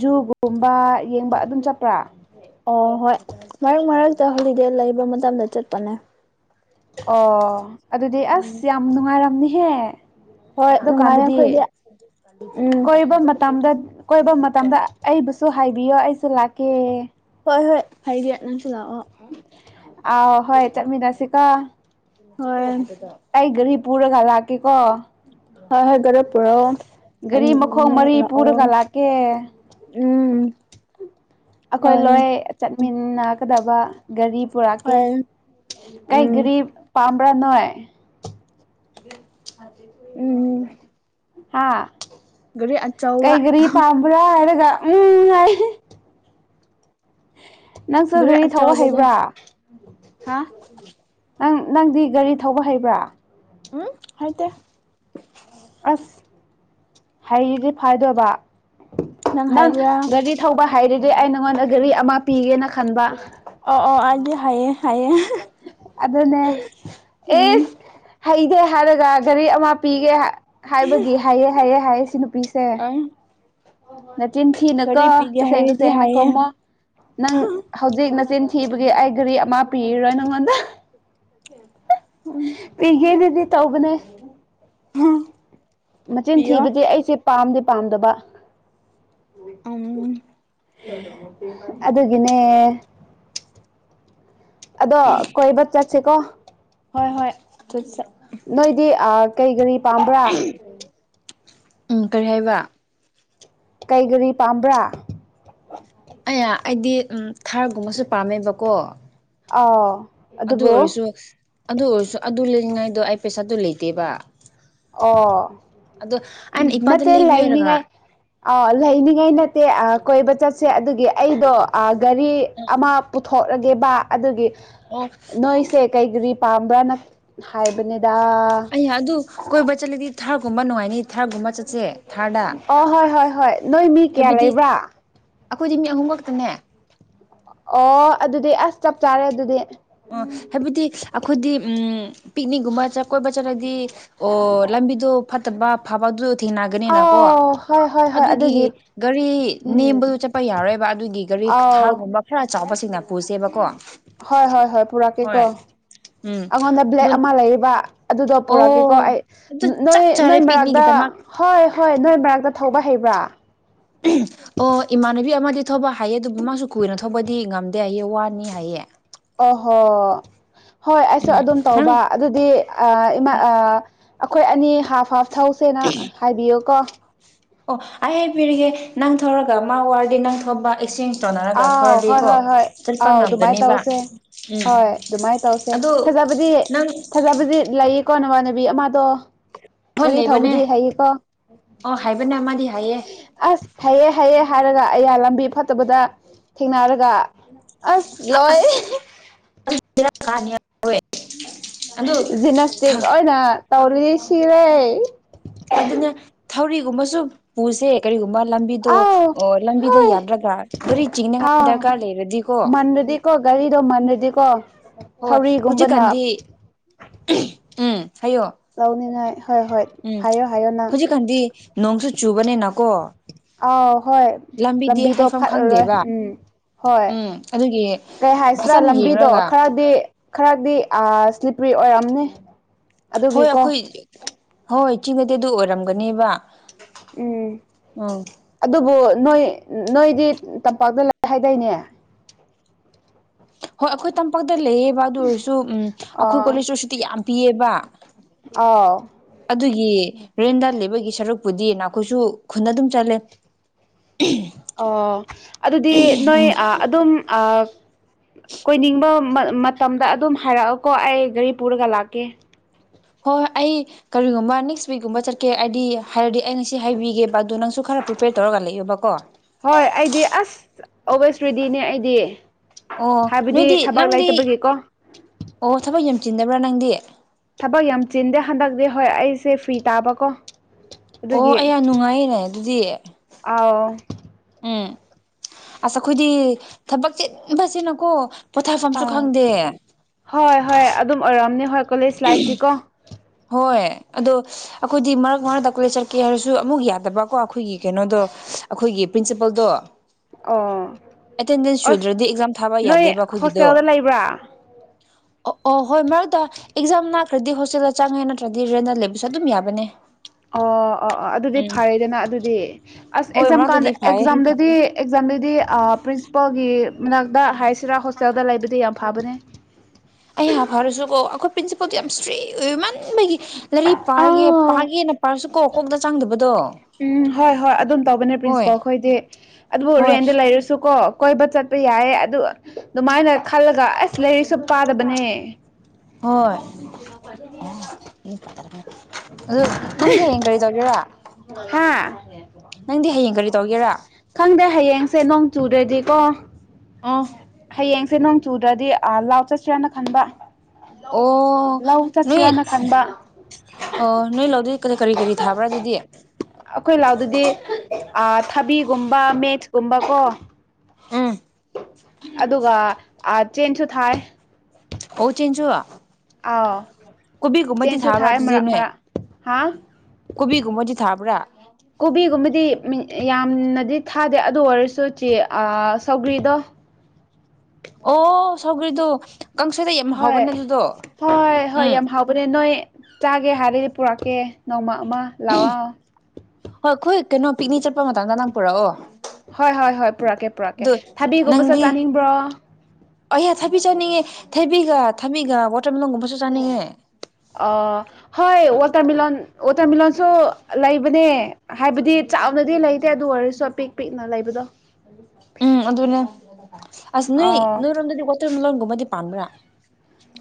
ꯖꯨꯒꯨꯝꯕ ꯒꯨꯝꯕ ꯌꯦꯡꯕ ꯑꯗꯨꯝ ꯆꯠꯄ꯭ꯔꯥ ꯑꯣ ꯍꯣꯏ ꯃꯔꯛ ꯃꯔꯛꯇ ꯍꯣꯂꯤꯗꯦ ꯂꯩꯕ ꯃꯇꯝꯗ ꯆꯠꯄꯅꯦ ꯑꯣ ꯑꯗꯨꯗꯤ ꯎꯝ ꯑꯁ ꯌꯥꯝ ꯅꯨꯡꯉꯥꯏꯔꯝꯅꯤꯍꯦ ꯍꯣꯏ ꯅꯨꯡꯉꯥꯏꯔꯦ ꯑꯗꯨꯀꯥꯟꯗꯗꯤ ꯑꯩꯈꯣꯏꯗꯤ ꯎꯝ ꯀꯣꯏꯕ ꯃꯇꯝꯗ ꯀꯣꯏꯕ ꯃꯇꯝꯗ ꯑꯩꯕꯨꯁꯨ ꯍꯥꯏꯕꯤꯌꯣ ꯑꯩꯁꯨ ꯂꯥꯛꯀꯦ ꯍꯣꯏ ꯍꯣꯏ ꯍꯥꯏꯗꯤ ꯅꯪꯁꯨ ꯂꯥꯛꯑꯣ ꯑꯥꯎ ꯍꯣꯏ ꯆꯠꯃꯤꯟꯅꯁꯤꯀꯣ ꯍꯣꯏ ꯑꯩ ꯒꯥꯔꯤ ꯄꯨꯔꯒ ꯂꯥꯛꯀꯦꯀꯣ ꯍꯣꯏ ꯍꯣꯏ ꯒꯥꯔꯤ ꯄꯨꯔꯛꯣ ꯑ ꯒꯥꯔꯤ ꯃꯈꯣꯡ ꯅꯣꯏ ꯃꯔꯤ ꯂꯥꯛꯑꯣ ꯄꯨꯔꯒ ꯂꯥꯛꯀꯦ ꯎꯝ ꯑꯩꯈꯣꯏ ꯍꯣꯏ ꯂꯣꯏ ꯆꯠꯃꯤꯟꯅꯒꯗꯕ ꯒꯥꯔꯤ ꯄꯨꯔꯛꯀꯦ ꯍꯣꯏ ꯀꯩ ꯎꯝ ꯒꯥꯔꯤ ꯄꯥꯝꯕ꯭ꯔꯥ ꯅꯣꯏ ꯎꯝ ꯍꯥꯥ ꯒꯥꯔꯤ ꯑ ꯀꯩ ꯒꯥꯔꯤ ꯄꯥꯝꯕ꯭ꯔꯥ ꯍꯥꯏꯔꯒ ꯎꯝ ꯍꯥꯏ ꯒꯥꯔꯤ ꯅꯪꯁꯨꯒꯔꯤ ꯊꯧꯕ ꯑꯆꯧꯕꯗ ꯍꯩꯕ꯭ꯔꯥ ꯍꯥ ꯅꯪ ꯅꯪꯗꯤ ꯒꯥꯔꯤ ꯊꯧꯕ ꯍꯩꯕ꯭ꯔꯥ ꯍꯨꯝ ꯍꯩꯇꯦ ꯑꯁ ꯍꯩꯔꯗꯤ ꯐꯥꯏꯗꯣꯏꯕ ꯅꯪ ꯒꯥꯔꯤ ꯊꯧꯕ ꯍꯥꯏꯔꯗꯤ ꯑꯩ ꯅꯉꯣꯟꯗ ꯒꯥꯔꯤ ꯑꯃ ꯄꯤꯒꯦꯅ ꯈꯟꯕ ꯑꯣ ꯑꯣ ꯑꯗꯤ ꯍꯥꯏꯌꯦ ꯍꯥꯏꯌꯦ ꯑꯗꯨꯅꯦ ꯎꯝ ꯑꯦꯁ ꯍꯩꯗꯦ ꯍꯥꯏꯔꯒ ꯒꯥꯔꯤ ꯑꯃ ꯄꯤꯒꯦ ꯍꯥꯏꯕꯒꯤ ꯍꯥꯏꯑꯦ ꯍꯥꯏꯑꯦ ꯍꯥꯏꯌꯦ ꯁꯤ ꯅꯨꯄꯤꯁꯦ ꯑꯝ ꯅꯆꯤꯟ ꯊꯤꯅꯨꯀꯣ ꯄꯤꯒꯦ ꯇꯁꯦꯡ ꯍꯥꯏꯔꯗꯤ ꯇꯁꯦꯡꯅ ꯍꯥꯏꯌꯦ ꯈꯨꯝꯃꯣ ꯅꯪ ꯍꯧꯖꯤꯛ ꯅꯆꯤꯟ ꯊꯤꯕꯒꯤ ꯑꯩ ꯒꯔꯤ ꯑꯃ ꯄꯤꯔꯣꯏ ꯅꯪꯉꯣꯟꯗ꯫ ꯑꯣ ꯄꯤꯒꯦꯅꯗꯤ ꯇꯧꯕꯅꯦ ꯃꯆꯤꯟ ꯄꯤꯌꯣ ꯊꯤꯕꯗꯤ ꯑꯩꯁꯦ ꯄꯥꯝꯗꯤ ꯄꯥꯝꯗꯕ꯫ ꯑꯝ ꯑꯗꯨꯒꯤꯅꯦ ꯑꯗꯣ ꯀꯣꯏꯕ ꯆꯠꯁꯤꯀꯣ꯫ ꯍꯣꯏ ꯍꯣꯏꯆꯠ ꯅꯣꯏꯗꯤ ꯑ ꯀꯩ ꯒꯔꯤ ꯄꯥꯝꯕ꯭ꯔꯥ ꯎꯝ ꯀꯔꯤ ꯍꯥꯏꯕ ꯀꯩ ꯒꯔꯤ ꯄꯥꯝꯕ꯭ꯔꯥ ꯑꯩꯌꯥ ꯑꯩꯗꯤ ꯎꯝ ꯊꯥꯔꯒꯨꯝꯕꯁꯨ ꯄꯥꯝꯃꯦꯕꯀꯣ ꯑꯥꯎ ꯑꯗꯨ ꯑꯗꯨꯕꯨ ꯑꯣꯏꯔꯁꯨ ꯑꯗꯨ ꯑꯣꯏꯔꯁꯨ ꯑꯗꯨ ꯂꯩꯅꯤꯡꯉꯥꯏꯗꯣ ꯑꯩ ꯄꯩꯁꯥꯗꯨ ꯂꯩꯇꯦꯕ꯫ ꯑꯣ ꯑꯗꯣ ꯑꯩꯅ ꯏꯄꯥꯗ ꯅꯠꯇꯦ ꯂꯩꯕꯤꯌꯨ ꯍꯥꯏꯔꯒ ꯂꯩꯅꯤꯉꯥꯏ ꯑ ꯂꯩꯅꯤꯡꯉꯥꯏ ꯅꯠꯇꯦ ꯑ ꯀꯣꯏꯕ ꯆꯠꯁꯦ ꯑꯗꯨꯒꯤ ꯑꯩꯗꯣ ꯑ ꯒꯥꯔꯤ ꯑꯃ ꯄꯨꯊꯣꯛꯔꯒꯦꯕ ꯑꯗꯨꯒꯤ ꯑꯣ ꯅꯣꯏꯁꯦ ꯀꯩ ꯒꯔꯤ ꯄꯥꯝꯕ꯭ꯔꯥꯅ ꯍꯥꯏꯕꯅꯤꯗ ꯑꯗꯨ ꯀꯣꯏꯕ ꯆꯠꯂꯗꯤ ꯊꯥꯔꯒꯨꯝꯕ ꯅꯨꯡꯉꯥꯏꯅꯤ ꯊꯥꯒꯨꯝꯕ ꯑꯣ ꯍꯣꯏ ꯍꯣꯏ ꯍꯣꯏ ꯅꯣꯏ ꯃꯤ ꯀꯌꯥ ꯂꯩꯕ꯭ꯔꯥ꯫ ꯑꯈꯣꯏꯗꯤ ꯃꯤ ꯑꯍꯨꯝ ꯈꯛꯇꯅꯦ ꯑꯣ ꯑꯗꯨꯗꯤ ꯑꯁ ꯆꯞ ꯆꯥꯔꯦ ꯑꯗꯨꯗꯤ ꯑ ꯍꯥꯏꯕꯗꯤ ꯑꯈꯣꯏꯗꯤ ꯎꯝ ꯄꯤꯛꯅꯤꯛꯒꯨꯝꯕ ꯆꯠ ꯀꯣꯏꯕ ꯆꯠꯂꯗꯤ ꯑꯣ ꯂꯝꯕꯤꯗꯣ ꯐꯠꯇꯕ ꯐꯕꯗꯨ ꯊꯦꯡꯅꯒꯅꯤꯅꯀꯣ꯫ ꯑꯥꯎ ꯍꯣꯏ ꯍꯣꯏ ꯍꯣꯏ ꯑꯗꯨꯒꯤ ꯒꯥꯔꯤ ꯎꯝ ꯅꯦꯝꯕꯗꯨ ꯆꯠꯄ ꯌꯥꯔꯣꯏꯕ ꯑꯗꯨꯒꯤ ꯒꯥꯔꯤ ꯑꯥꯎ ꯊꯥꯔꯒꯨꯝꯕ ꯈꯔ ꯆꯥꯎꯕꯁꯤꯡꯅ ꯄꯨꯁꯦꯕꯀꯣ ꯍꯣꯏ ꯍꯣꯏ ꯍꯣꯏ ꯄꯨꯔꯛꯀꯦꯀꯣ ꯍꯣꯏ ꯎꯝ ꯑꯉꯣꯟꯗ ꯑꯗꯨ ꯕ꯭ꯂꯦꯛ ꯑꯃ ꯂꯩꯌꯦꯕ꯫ ꯑꯗꯨꯗꯣ ꯑꯣ ꯄꯨꯔꯛꯀꯦꯀꯣ ꯑꯩ ꯑꯗꯨ ꯅꯣꯏ ꯆꯞ ꯆꯥꯔꯦ ꯅꯣꯏ ꯃꯔꯛꯇ ꯄꯤꯛꯅꯤꯛꯒꯤꯗꯃꯛ ꯍꯣꯏ ꯍꯣꯏ ꯅꯣꯏ ꯃꯔꯛꯇ ꯊꯧꯕ ꯍꯩꯕ꯭ꯔꯥ [inaudible] ꯑꯣ ꯏꯃꯥꯟꯅꯕꯤ ꯑꯃꯗꯤ ꯊꯧꯕ ꯍꯥꯏꯌꯦ ꯑꯗꯨꯕꯨ ꯃꯥꯁꯨ ꯀꯨꯏꯅ ꯊꯧꯕꯗꯤ ꯉꯝꯗꯦ ꯍꯥꯏꯌꯦ ꯋꯥꯅꯤ ꯍꯥꯏꯌꯦ꯫ ꯑꯣꯍꯣ ꯍꯣꯏ ꯑꯩꯁꯨ ꯎꯝ ꯑꯗꯨꯝ ꯅꯪ ꯇꯧꯕ ꯑꯗꯨꯗꯤ ꯑ ꯏꯃꯥ ꯑ ꯑꯈꯣꯏ ꯑꯅꯤ ꯍꯥꯐ ꯍꯥꯐ ꯊꯧꯁꯦꯅ ꯍꯥꯏꯕꯤꯌꯨꯀꯣ ꯑꯣ ꯑꯩ ꯍꯥꯏꯕꯤꯔꯤꯒꯦ ꯅꯪ ꯊꯧꯔꯒ ꯃꯥ ꯋꯥꯔꯗꯤ ꯅꯪ ꯊꯄ ꯑꯦꯛꯆꯦꯟꯁ꯫ ꯑꯥꯎ ꯍꯣꯏ ꯍꯣꯏ ꯍꯣꯏ ꯑꯥꯎ ꯑꯗꯨꯃꯥꯏꯅ ꯉꯝꯒꯅꯦꯕ ꯇꯧꯁꯦ ꯍꯣꯏ ꯑꯗꯨꯃꯥꯏ ꯇꯧꯁ꯫ ꯑꯗꯨ ꯊꯥꯖꯕꯗꯤ ꯅꯪ ꯊꯥꯖꯕꯗꯤ ꯂꯩꯌꯦꯀꯣ ꯅꯃꯥꯟꯅꯕꯤ ꯑꯃꯗꯣ ꯍꯣꯏ ꯒꯔꯤ ꯂꯩꯕꯅꯦ ꯊꯧꯕꯗꯤ ꯍꯩꯌꯦꯀꯣ ꯑꯣ ꯍꯥꯏꯕꯅꯦ ꯃꯥꯗꯤ ꯍꯥꯏꯌꯦ ꯑꯁ ꯍꯩꯌꯦ ꯍꯩꯌꯦ ꯍꯥꯏꯔꯒ ꯑꯩꯌꯥ ꯂꯝꯕꯤ ꯐꯠꯇꯕꯗ ꯊꯦꯡꯅꯔꯒ ꯑꯁ ꯂꯣꯏ ꯑꯁ ꯕꯦꯔꯥ ꯀꯅꯤꯍꯦ ꯑꯈꯣꯏ ꯖꯤꯅꯥꯁꯇꯤꯛ ꯑꯣꯏꯅ ꯇꯧꯔꯗꯤ ꯁꯤꯔꯦ ꯑꯗꯨꯅ ꯊꯧꯔꯤꯒꯨꯝꯕꯁꯨ ꯄꯨꯁꯦ ꯀꯔꯤꯒꯨꯝꯕ ꯂꯝꯕꯤꯗꯣ ꯑꯥꯎ ꯑꯣ ꯂꯝꯕꯤꯗ ꯍꯣꯏ ꯌꯥꯗ꯭ꯔꯒ ꯒꯔꯤ ꯆꯤꯡꯅꯤꯉꯥꯏ ꯗꯔꯀꯥꯔ ꯂꯩꯔꯗꯤꯀꯣ ꯀꯣ ꯒꯥꯔꯤꯗꯣ ꯃꯥꯟꯅꯗꯦꯀꯣ ꯍꯣꯏ ꯊꯧꯔꯤꯒꯨꯝꯕꯅ ꯍꯧꯖꯤꯛꯀꯥꯟꯗꯤ ꯎꯝ ꯍꯥꯏꯌꯣ ꯂꯧꯅꯤꯡꯉꯥꯏ ꯍꯣꯏ ꯍꯣꯏ ꯎꯝ ꯍꯥꯏꯌꯣ ꯍꯥꯏꯌꯣ ꯅꯪ ꯍꯧꯖꯤꯛꯀꯥꯟꯗꯤ ꯅꯣꯡꯁꯨ ꯆꯨꯕꯅꯤꯅꯀꯣ ꯑꯥꯎ ꯍꯣꯏ ꯂꯝꯕꯤꯗꯤ ꯂꯝꯕꯤꯗꯣ ꯍꯥꯏꯐꯝ ꯐꯠꯂꯔꯣꯏ ꯈꯪꯗꯦꯕ ꯎꯝ ꯍꯣꯏ ꯎꯝ ꯑꯗꯨꯒꯤ ꯀꯩ ꯍꯥꯏꯁꯤꯔꯥ ꯐꯖꯅ ꯂꯝꯕꯤꯗꯣ ꯌꯦꯡꯔꯒ ꯈꯔꯗꯤ ꯈꯔꯗꯤ ꯁ꯭ꯂꯤꯞꯄ꯭ꯔꯤ ꯑꯣꯏꯔꯝꯅꯦ ꯍꯣꯏ ꯑꯩꯈꯣꯏ ꯍꯣꯏ ꯆꯤꯡꯅꯗꯤ ꯑꯗꯨ ꯑꯣꯏꯔꯝꯒꯅꯦꯕ ꯎꯝ ꯎꯝ ꯑꯗꯨꯕꯨ ꯅꯣꯏ ꯅꯣꯏꯗꯤ ꯇꯝꯄꯥꯛꯇ ꯍꯥꯏꯗꯥꯏꯅꯦ ꯍꯣꯏ ꯑꯩꯈꯣꯏ ꯇꯝꯄꯥꯛꯇ ꯂꯩꯌꯦꯕ ꯑꯗꯨ ꯑꯣꯏꯔꯁꯨ ꯎꯝ ꯑꯩꯈꯣꯏ ꯑꯥ ꯀꯣꯂꯦꯖꯇ ꯎꯁꯨꯇꯤ ꯌꯥꯝ ꯄꯤꯑ‌ꯦꯕ ꯑꯥꯎ ꯑꯗꯨꯒꯤ ꯔꯦꯟꯗꯥꯟ ꯂꯩꯕꯒꯤ ꯁꯔꯨꯛꯄꯨꯗꯤ ꯅꯈꯣꯏꯁꯨ ꯈꯨꯟꯅ ꯑꯗꯨꯝ ꯆꯠꯂꯦ ꯑꯣ ꯑꯗꯨꯗꯤ ꯅꯣꯏ ꯑ ꯑꯗꯨꯝ ꯑ ꯀꯣꯏꯅꯤꯡꯕ ꯃꯇꯝꯗ ꯑꯗꯨꯝ ꯍꯥꯏꯔꯛꯑꯀꯣ ꯑꯩ ꯒꯥꯔꯤ ꯄꯨꯔꯒ ꯂꯥꯛꯀꯦ ꯍꯣꯏ ꯑꯩ ꯀꯔꯤꯒꯨꯝꯕ ꯅꯦꯛꯁ ꯋꯤꯛꯀꯨꯝꯕ ꯆꯠꯀꯦ ꯍꯥꯏꯗꯤ ꯍꯥꯏꯔꯗꯤ ꯑꯩ ꯉꯁꯤ ꯍꯥꯏꯕꯤꯒꯦꯕ ꯑꯗꯨ ꯅꯪꯁꯨ ꯈꯔ ꯄ꯭ꯔꯤꯄꯦꯌꯔ ꯇꯧꯔꯒ ꯂꯩꯌꯕꯀꯣ ꯍꯣꯏ ꯑꯩꯗꯤ ꯑꯁ ꯑꯣꯜꯋꯦꯁ ꯔꯦꯗꯤꯅꯦ ꯑꯩꯗꯤ ꯑꯣ ꯍꯥꯏꯕꯗꯤ ꯅꯣꯏꯗꯤ ꯊꯕꯛ ꯅꯪꯗꯤ ꯂꯩꯇꯕꯒꯤꯀꯣ ꯑꯣ ꯊꯕꯛ ꯌꯥꯝ ꯆꯤꯟꯗꯕ꯭ꯔꯥ ꯅꯪꯗꯤ ꯊꯕꯛ ꯌꯥꯝ ꯆꯤꯟꯗꯦ ꯍꯟꯗꯛꯇꯤ ꯍꯣꯏ ꯑꯩꯁꯦ ꯐ꯭ꯔꯤ ꯇꯥꯕꯀꯣ ꯑꯣ ꯑꯗꯨꯒꯤ ꯑꯩ ꯌꯥꯝ ꯅꯨꯡꯉꯥꯏꯅꯦ ꯑꯗꯨꯗꯤ ꯑꯥꯎ ꯎꯝ ꯑꯁ ꯑꯩꯈꯣꯏꯗꯤ ꯊꯕꯛ ꯆꯤꯟꯕꯁꯤꯅꯀꯣ ꯄꯣꯊꯥꯐꯝꯁꯨ ꯑꯥꯎ ꯈꯪꯗꯦ ꯍꯣꯏ ꯍꯣꯏ ꯑꯗꯨꯝ ꯑꯣꯏꯔꯝꯑꯝꯅꯤ ꯍꯣꯏ ꯀꯣꯂꯦꯖ ꯂꯥꯏꯐꯇꯤ ꯀꯣ ꯍꯣꯏ ꯑꯗꯣ ꯑꯩꯈꯣꯏꯗꯤ ꯃꯔꯛ ꯃꯔꯛꯛꯇ ꯀꯣꯂꯦ ꯆꯠꯀꯦ ꯍꯥꯏꯔꯁꯨ ꯑꯃꯨꯛ ꯌꯥꯗꯕꯀꯣ ꯑꯩꯈꯣꯏꯒꯤ ꯀꯩꯅꯣꯗꯣ ꯑꯩꯈꯣꯏꯒꯤ ꯄ꯭ꯔꯤꯟꯁꯤꯄꯜꯗꯣ ꯑꯣ ꯑꯦꯇꯦꯟꯗꯦꯟꯁ ꯑꯁ ꯁꯨꯗ꯭ꯔꯗꯤ ꯑꯦꯛꯖꯥꯝ ꯊꯥꯕ ꯅꯣꯏ ꯌꯥꯗꯦꯕ ꯑꯩꯈꯣꯏꯒꯤꯗꯣ ꯍꯣꯁꯇꯦꯜꯗ ꯂꯩꯕ꯭ꯔꯥ ꯑꯣ ꯑꯣ ꯍꯣꯏ ꯃꯔꯛꯇ ꯑꯦꯛꯖꯥꯝ ꯅꯥꯈ꯭ꯔꯗꯤ ꯍꯣꯁꯇꯦꯜꯗ ꯆꯪꯉꯦ ꯅꯠꯇ꯭ꯔꯗꯤ ꯔꯦꯟꯗ ꯂꯩꯕꯁꯨ ꯑꯗꯨꯝ ꯌꯥꯕꯅꯦ ꯑꯣ ꯑꯣ ꯑꯣ ꯑꯗꯨꯗꯤ ꯎꯝ ꯐꯔꯦꯗꯅ ꯑꯗꯨꯗꯤ ꯑꯁ ꯍꯣꯏ ꯑꯦꯛꯖꯥꯝ ꯃꯔꯛꯇꯗꯤ ꯀꯥꯟꯗ ꯐꯩꯌꯦ ꯑꯦꯛꯖꯥꯝꯗ ꯑꯗꯨꯗꯤ ꯑꯦꯛꯖꯥꯝꯗꯨꯗꯤ ꯄ꯭ꯔꯤꯟꯁꯤꯄꯜꯒꯤ ꯃꯅꯥꯛꯇ ꯍꯥꯏꯁꯤꯔꯥ ꯍꯣꯁꯇꯦꯜꯗ ꯂꯩꯕꯗꯤ ꯌꯥꯝ ꯐꯕꯅꯦ ꯑꯩ ꯐꯔꯁꯨꯀꯣ ꯑꯩꯈꯣꯏ ꯄ꯭ꯔꯤꯟꯁꯤꯄꯜꯗꯨꯣ ꯌꯥꯝ ꯏꯁꯇꯦꯠ ꯑꯣꯏꯏꯌ ꯃꯥꯅ ꯕꯒꯤ ꯂꯩꯥꯏꯔꯤꯛ ꯄꯥꯔꯒꯦ ꯑꯥꯎ ꯄꯥꯒꯦꯅ ꯄꯥꯔꯁꯨ ꯀꯣ ꯀꯣꯛꯇ ꯆꯥꯡꯗꯕꯗꯣ ꯎꯝ ꯍꯣꯏ ꯍꯣꯏ ꯑꯗꯨꯝ ꯇꯧꯕꯅꯦ ꯄ꯭ꯔꯤꯟꯁꯤꯄꯥꯜ ꯑꯩꯈꯣꯏꯗꯤ ꯑꯗꯨꯕꯨ ꯍꯣꯏ ꯔꯦꯟꯗ ꯂꯩꯔꯁꯨ ꯀꯣ ꯀꯣꯏꯕ ꯆꯠꯄ ꯌꯥꯏꯌꯦ ꯑꯗꯨ ꯑꯗꯨꯃꯥꯏꯅ ꯈꯜꯂꯒ ꯑꯁ ꯂꯥꯏꯔꯤꯛꯁꯨ ꯄꯥꯗꯕꯅꯦ ꯍꯣꯏ ꯑꯗꯨ ꯅꯪꯗꯤ ꯍꯌ‌ꯦꯡ ꯆꯒ‌ꯦꯔ ꯍꯥꯥ ꯅꯪꯗꯤ ꯍꯌꯦꯡ ꯀꯔꯤ ꯇꯧꯒꯦꯔꯥ ꯈꯪꯗ꯭ꯔꯦ ꯍꯌꯦꯡꯁꯦ ꯅꯣꯡ ꯆꯨꯔꯗꯤꯀꯣ ꯑ‌ꯣ ꯍꯌꯦꯡꯁꯦ ꯅꯣꯡ ꯆꯨꯗ꯭ꯔꯗꯤ ꯂꯥꯎ ꯆꯠꯁ꯭ꯔꯦꯅ ꯈꯟꯕ ꯂꯧ ꯅꯣꯏ ꯆꯠꯁꯤꯔꯅ ꯈꯟꯕ ꯑꯣ ꯅꯣꯏ ꯂꯧꯗꯨꯗꯤ ꯀꯔꯤ ꯀꯔꯤ ꯊꯥꯕ꯭ꯔꯥ ꯑꯗꯨꯗꯤ ꯑꯩꯈꯣꯏ ꯂꯥꯎꯗꯨꯗꯤ ꯊꯕꯤꯒꯨꯝꯕ ꯃꯦꯠꯀꯨꯝꯕꯀꯣ ꯑꯗꯨꯒ ꯑꯥ ꯆꯦꯟꯁꯨ ꯊꯥꯌꯦ ꯑꯣ ꯆꯦꯟꯖꯨ ꯑꯥꯎ ꯀꯣꯕꯤꯒꯨꯝꯕꯗꯤ ꯆꯦꯟꯁꯨ ꯊꯥꯕ꯭ꯔꯥ ꯊꯥꯏ ꯑꯗꯨꯗꯤ ꯃꯔꯛ ꯅꯣꯏ ꯃꯔꯛ ꯍꯥ ꯀꯣꯕꯤꯒꯨꯝꯕꯗꯤ ꯊꯥꯕ꯭ꯔꯥ ꯀꯣꯕꯤꯒꯨꯝꯕꯗꯤ ꯌꯥꯝꯅꯗꯤ ꯊꯥꯗꯦ ꯑꯗꯨ ꯑꯣꯏꯔꯁꯨ ꯆꯦ ꯑꯥ ꯁꯧꯒ꯭ꯔꯤꯗꯣ ꯑꯣ ꯁꯥꯎꯒ꯭ꯔꯤꯗꯣ ꯀꯥꯡꯁꯣꯏꯗ ꯌꯥꯝ ꯍꯥꯎꯕꯅꯦ ꯑꯗꯨꯗꯣ ꯎꯝ ꯍꯣꯔꯦꯜ ꯅꯣꯏ ꯆꯥꯒꯦ ꯍꯥꯏꯔꯗꯤ ꯄꯨꯔꯛꯀꯦ ꯅꯣꯡꯃ ꯑꯃ ꯂꯥꯛꯑꯣ ꯍꯣꯏ ꯈꯨꯜ ꯀꯩꯅꯣ ꯄꯤꯛꯅꯤꯛ ꯆꯠꯄ ꯃꯇꯗ ꯅꯪ ꯄꯨꯔꯛꯑꯣ ꯍꯣꯏ ꯍꯣꯏ ꯍꯣꯏ ꯄꯨꯔꯛꯀꯦ ꯄꯨꯔꯛꯀꯦ ꯑꯗꯨ ꯊꯥꯕꯤꯒꯨꯝꯕꯁꯨ ꯆꯥꯅꯤꯡꯕ꯭ꯔꯣ ꯑꯩꯌꯥ‌ ꯊꯥꯕꯤ ꯆꯥꯅꯤꯡꯉꯦ ꯊꯥꯏꯕꯤꯒ ꯊꯥꯕꯤꯒ ꯋꯥꯇꯔꯃꯦꯂꯟꯒꯨꯝꯕꯁꯨ ꯆꯥꯅꯤꯡꯉꯦ ꯍꯣꯏ ꯋꯥꯇꯔꯃꯤꯂꯣꯟ ꯋꯥꯇꯔꯃꯤꯂꯟꯁꯨ ꯂꯩꯕꯅꯦ ꯍꯥꯏꯕꯗꯤ ꯆꯥꯎꯅꯗꯤ ꯂꯩꯇꯦ ꯑꯗꯨ ꯑꯣꯏꯔꯁꯨ ꯑꯄꯤꯛ ꯄꯤꯛꯅ ꯂꯩꯕꯗꯣ ꯎꯝ ꯑꯗꯨꯅꯦ ꯑꯁ ꯅꯣꯏ ꯑꯥꯎ ꯅꯣꯏꯔꯣꯝꯗꯗꯤ ꯋꯥꯇꯔꯃꯦꯂꯣꯟꯒꯨꯝꯕꯗꯤ ꯄꯥꯟꯕ꯭ꯔꯥ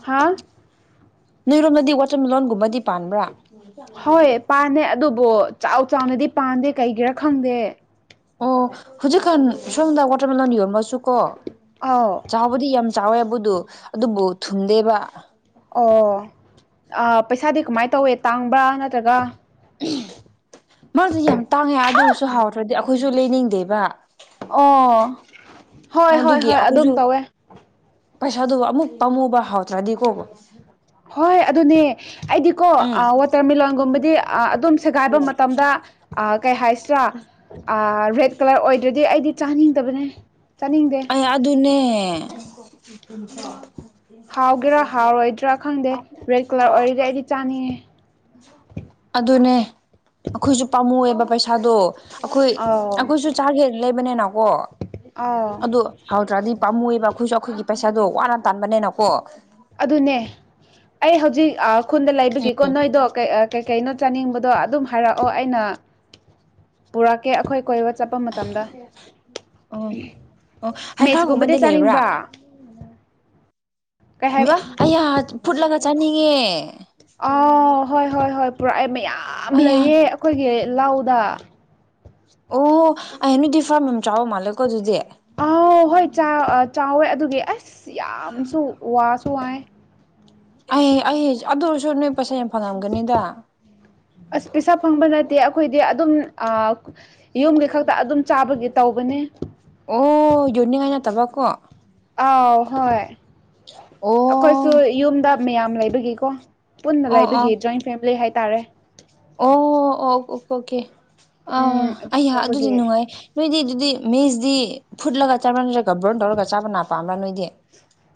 ꯍꯥ ꯅꯣꯏꯔꯣꯝꯗꯗꯤ ꯋꯥꯇꯔꯃꯦꯂꯣꯟꯒꯨꯝꯕꯗꯤ ꯄꯥꯟꯕ꯭ꯔꯥ ꯍꯣꯏ ꯄꯥꯟꯅꯦ ꯑꯗꯨꯕꯨ ꯆꯥꯎ ꯆꯥꯎꯅꯗꯤ ꯄꯥꯟꯗꯦ ꯀꯩꯒꯤꯔ ꯈꯪꯗꯦ ꯑꯣ ꯍꯧꯖꯤꯛꯀꯥꯟ ꯁꯣꯝꯗ ꯋꯥꯇꯔꯃꯦꯂꯟ ꯌꯣꯟꯕꯁꯨꯀꯣ ꯑꯥꯎ ꯆꯥꯎ ꯕꯨꯗꯤ ꯌꯥꯝ ꯆꯥꯎꯋꯦꯕꯨꯗꯨ ꯑꯗꯨꯕꯨ ꯊꯨꯝꯗꯦꯕ ꯑꯣ ꯄꯩꯁꯥꯗꯤ ꯑꯥ ꯀꯃꯥꯏꯅ ꯇꯧꯋꯦ ꯇꯥꯡꯕ꯭ꯔꯥ ꯅꯠꯇ꯭ꯔꯒ ꯃꯥꯖꯨ ꯌꯥꯝ ꯇꯥꯡꯉꯦ ꯑꯗꯨ ꯑꯣꯏꯔꯁꯨ ꯍꯥꯎꯗ꯭ꯔꯗꯤ ꯑꯩꯈꯣꯏꯁꯨ ꯂꯩꯅꯤꯡꯗꯦꯕ ꯑꯣ ꯍꯣꯏ ꯍꯣꯏ ꯍꯣꯏ ꯑꯗꯨꯝ ꯇꯧꯋꯦ ꯄꯩꯁꯥꯗꯨꯕꯨ ꯑꯃꯨꯛ ꯄꯥꯃꯨꯕ ꯍꯥꯎꯗ꯭ꯔꯗꯤꯀꯣꯕ ꯍꯣꯏ ꯑꯗꯨꯅꯦ ꯑꯩꯗꯤꯀꯣ ꯎꯝ ꯑꯥ ꯋꯥꯇꯔꯃꯦꯂꯣꯟꯒꯨꯝꯕꯗꯤ ꯑꯥ ꯑꯗꯨꯝ ꯁꯦꯒꯥꯏꯕ ꯃꯇꯝꯗ ꯑꯥ ꯀꯩ ꯍꯥꯏꯁꯤꯔꯥ ꯑꯥ ꯔꯦꯠ ꯀꯥꯂꯔ ꯑꯣꯏꯗ꯭ꯔꯗꯤ ꯑꯩꯗꯤ ꯆꯥꯅꯤꯡꯗꯕꯅꯦ ꯆꯥꯅꯤꯡꯗꯦ ꯑꯩꯌꯥ ꯑꯗꯨꯅꯦ ꯍꯥꯎꯒꯦꯔꯥ ꯍꯥꯎꯔꯣꯏꯗ꯭ꯔꯥ ꯈꯪꯗꯦ ꯔꯦꯠ ꯀꯥꯂꯔ ꯑꯣꯏꯔꯗꯤ ꯑꯩꯗꯤ ꯆꯥꯅꯤꯡꯉꯦ ꯑꯗꯨꯅꯦ ꯑꯩꯈꯣꯏꯁꯨ ꯄꯥꯝꯃꯨꯏꯑꯦꯕ ꯄꯩꯁꯥꯗꯣ ꯑꯩꯈꯣꯏ ꯑꯩꯈꯣꯏꯁꯨ ꯆꯥꯒꯦ ꯂꯩꯕꯅꯤꯅꯀꯣ ꯑꯥ ꯍꯥꯎꯗ꯭ꯔꯗꯤ ꯄꯥꯝꯃꯨꯏꯑꯦꯕ ꯑꯩꯈꯣꯏꯁꯨ ꯑꯩꯈꯣꯏꯒꯤ ꯄꯩꯁꯥꯗꯣ ꯋꯥꯅ ꯇꯥꯟꯕꯅꯦꯅꯀꯣ ꯑꯗꯨꯅꯦ ꯑꯩ ꯍꯧꯖꯤꯛ ꯑꯥ ꯈꯨꯟꯗ ꯂꯩꯕꯒꯤ ꯀꯣ ꯅꯣꯏꯗꯣ ꯀꯩ ꯑꯥ ꯀꯩꯀꯩꯅꯣ ꯆꯥꯅꯤꯡꯕꯗꯣ ꯑꯗꯨꯝ ꯍꯥꯏꯔꯛꯑꯣ ꯑꯩꯅ ꯄꯨꯔꯛꯀꯦ ꯑꯩꯈꯣꯏ ꯀꯣꯏꯕ ꯆꯠꯄ ꯃꯇꯝꯗ ꯎꯝ ꯑꯣ ꯃꯦꯠꯁꯀꯨꯝꯕꯗꯤ ꯍꯩꯈꯥꯒꯨꯝꯕꯗꯤ ꯂꯩꯕ꯭ꯔꯥ ꯆꯥꯅꯤꯡꯕ꯭ꯔꯥ ꯀꯩ ꯍꯥꯏꯕ ꯑꯩꯌꯥ ꯐꯨꯠꯂꯒ ꯆꯥꯅꯤꯡꯉꯦ ꯑꯥꯎ ꯍꯣꯏ ꯍꯣꯏ ꯍꯣꯏ ꯄꯨꯔꯛꯑꯦ ꯃꯌꯥꯝ ꯑꯌꯥ ꯂꯩꯑꯦ ꯑꯩꯈꯣꯏꯒꯤ ꯂꯧꯗ ꯑꯣꯍꯣ ꯑꯩꯩ ꯅꯣꯏꯗꯤ ꯐꯥꯝ ꯌꯥꯝ ꯆꯥꯎꯕ ꯃꯥꯜꯂꯦꯀꯣ ꯑꯗꯨꯗꯤ ꯑꯥꯎ ꯍꯣꯏ ꯆꯥ ꯆꯥꯎꯋꯦ ꯑꯗꯨꯒꯤ ꯑꯁ ꯌꯥꯝꯁꯨ ꯋꯥꯁꯨ ꯋꯥꯏꯌꯦ ꯑꯩ ꯑꯩ ꯑꯗꯨ ꯑꯣꯏꯔꯁꯨ ꯅꯣꯏ ꯄꯩꯁꯥ ꯌꯥꯝ ꯐꯪꯉꯝꯒꯅꯤꯗ ꯑꯁ ꯄꯩꯁꯥ ꯐꯪꯕ ꯅꯠꯇꯦ ꯑꯩꯈꯣꯏꯗꯤ ꯑꯗꯨꯝ ꯑꯥ ꯌꯨꯝꯒꯤ ꯈꯛꯇ ꯑꯗꯨꯝ ꯆꯥꯕꯒꯤ ꯇꯧꯕꯅꯤ ꯑꯣ ꯌꯣꯟꯅꯤꯡꯉꯥꯏ ꯅꯠꯇꯕꯀꯣ ꯑꯥꯎ ꯍꯣꯏ ꯑꯣ ꯑꯩꯈꯣꯏꯁꯨ ꯌꯨꯝꯗ ꯃꯌꯥꯝ ꯂꯩꯕꯒꯤꯀꯣ ꯄꯨꯟꯅ ꯑꯣ ꯂꯩꯕꯒꯤ ꯖꯣꯏꯟ ꯐꯦꯃꯤꯂꯤ ꯍꯥꯏꯇꯥꯔꯦ ꯑꯣ ꯑꯣ ꯑꯣ ꯑꯣꯀꯦ ꯑꯥ ꯎꯝ ꯑꯗꯨꯝ ꯑꯩ ꯇꯧꯕꯒꯤ ꯑꯗꯨꯗꯤ ꯅꯨꯡꯉꯥꯏ ꯅꯣꯏꯗꯤ ꯑꯗꯨꯗꯤ ꯃꯦꯁꯗꯤ ꯐꯨꯠꯂꯒ ꯆꯥꯕ꯭ꯔꯥ ꯅꯠꯇ꯭ꯔꯒ ꯕ꯭ꯔꯣꯟ ꯇꯧꯔꯒ ꯆꯥꯕ ꯅꯥꯄ ꯑꯃꯝꯕꯂꯥ ꯅꯣꯏꯗꯤ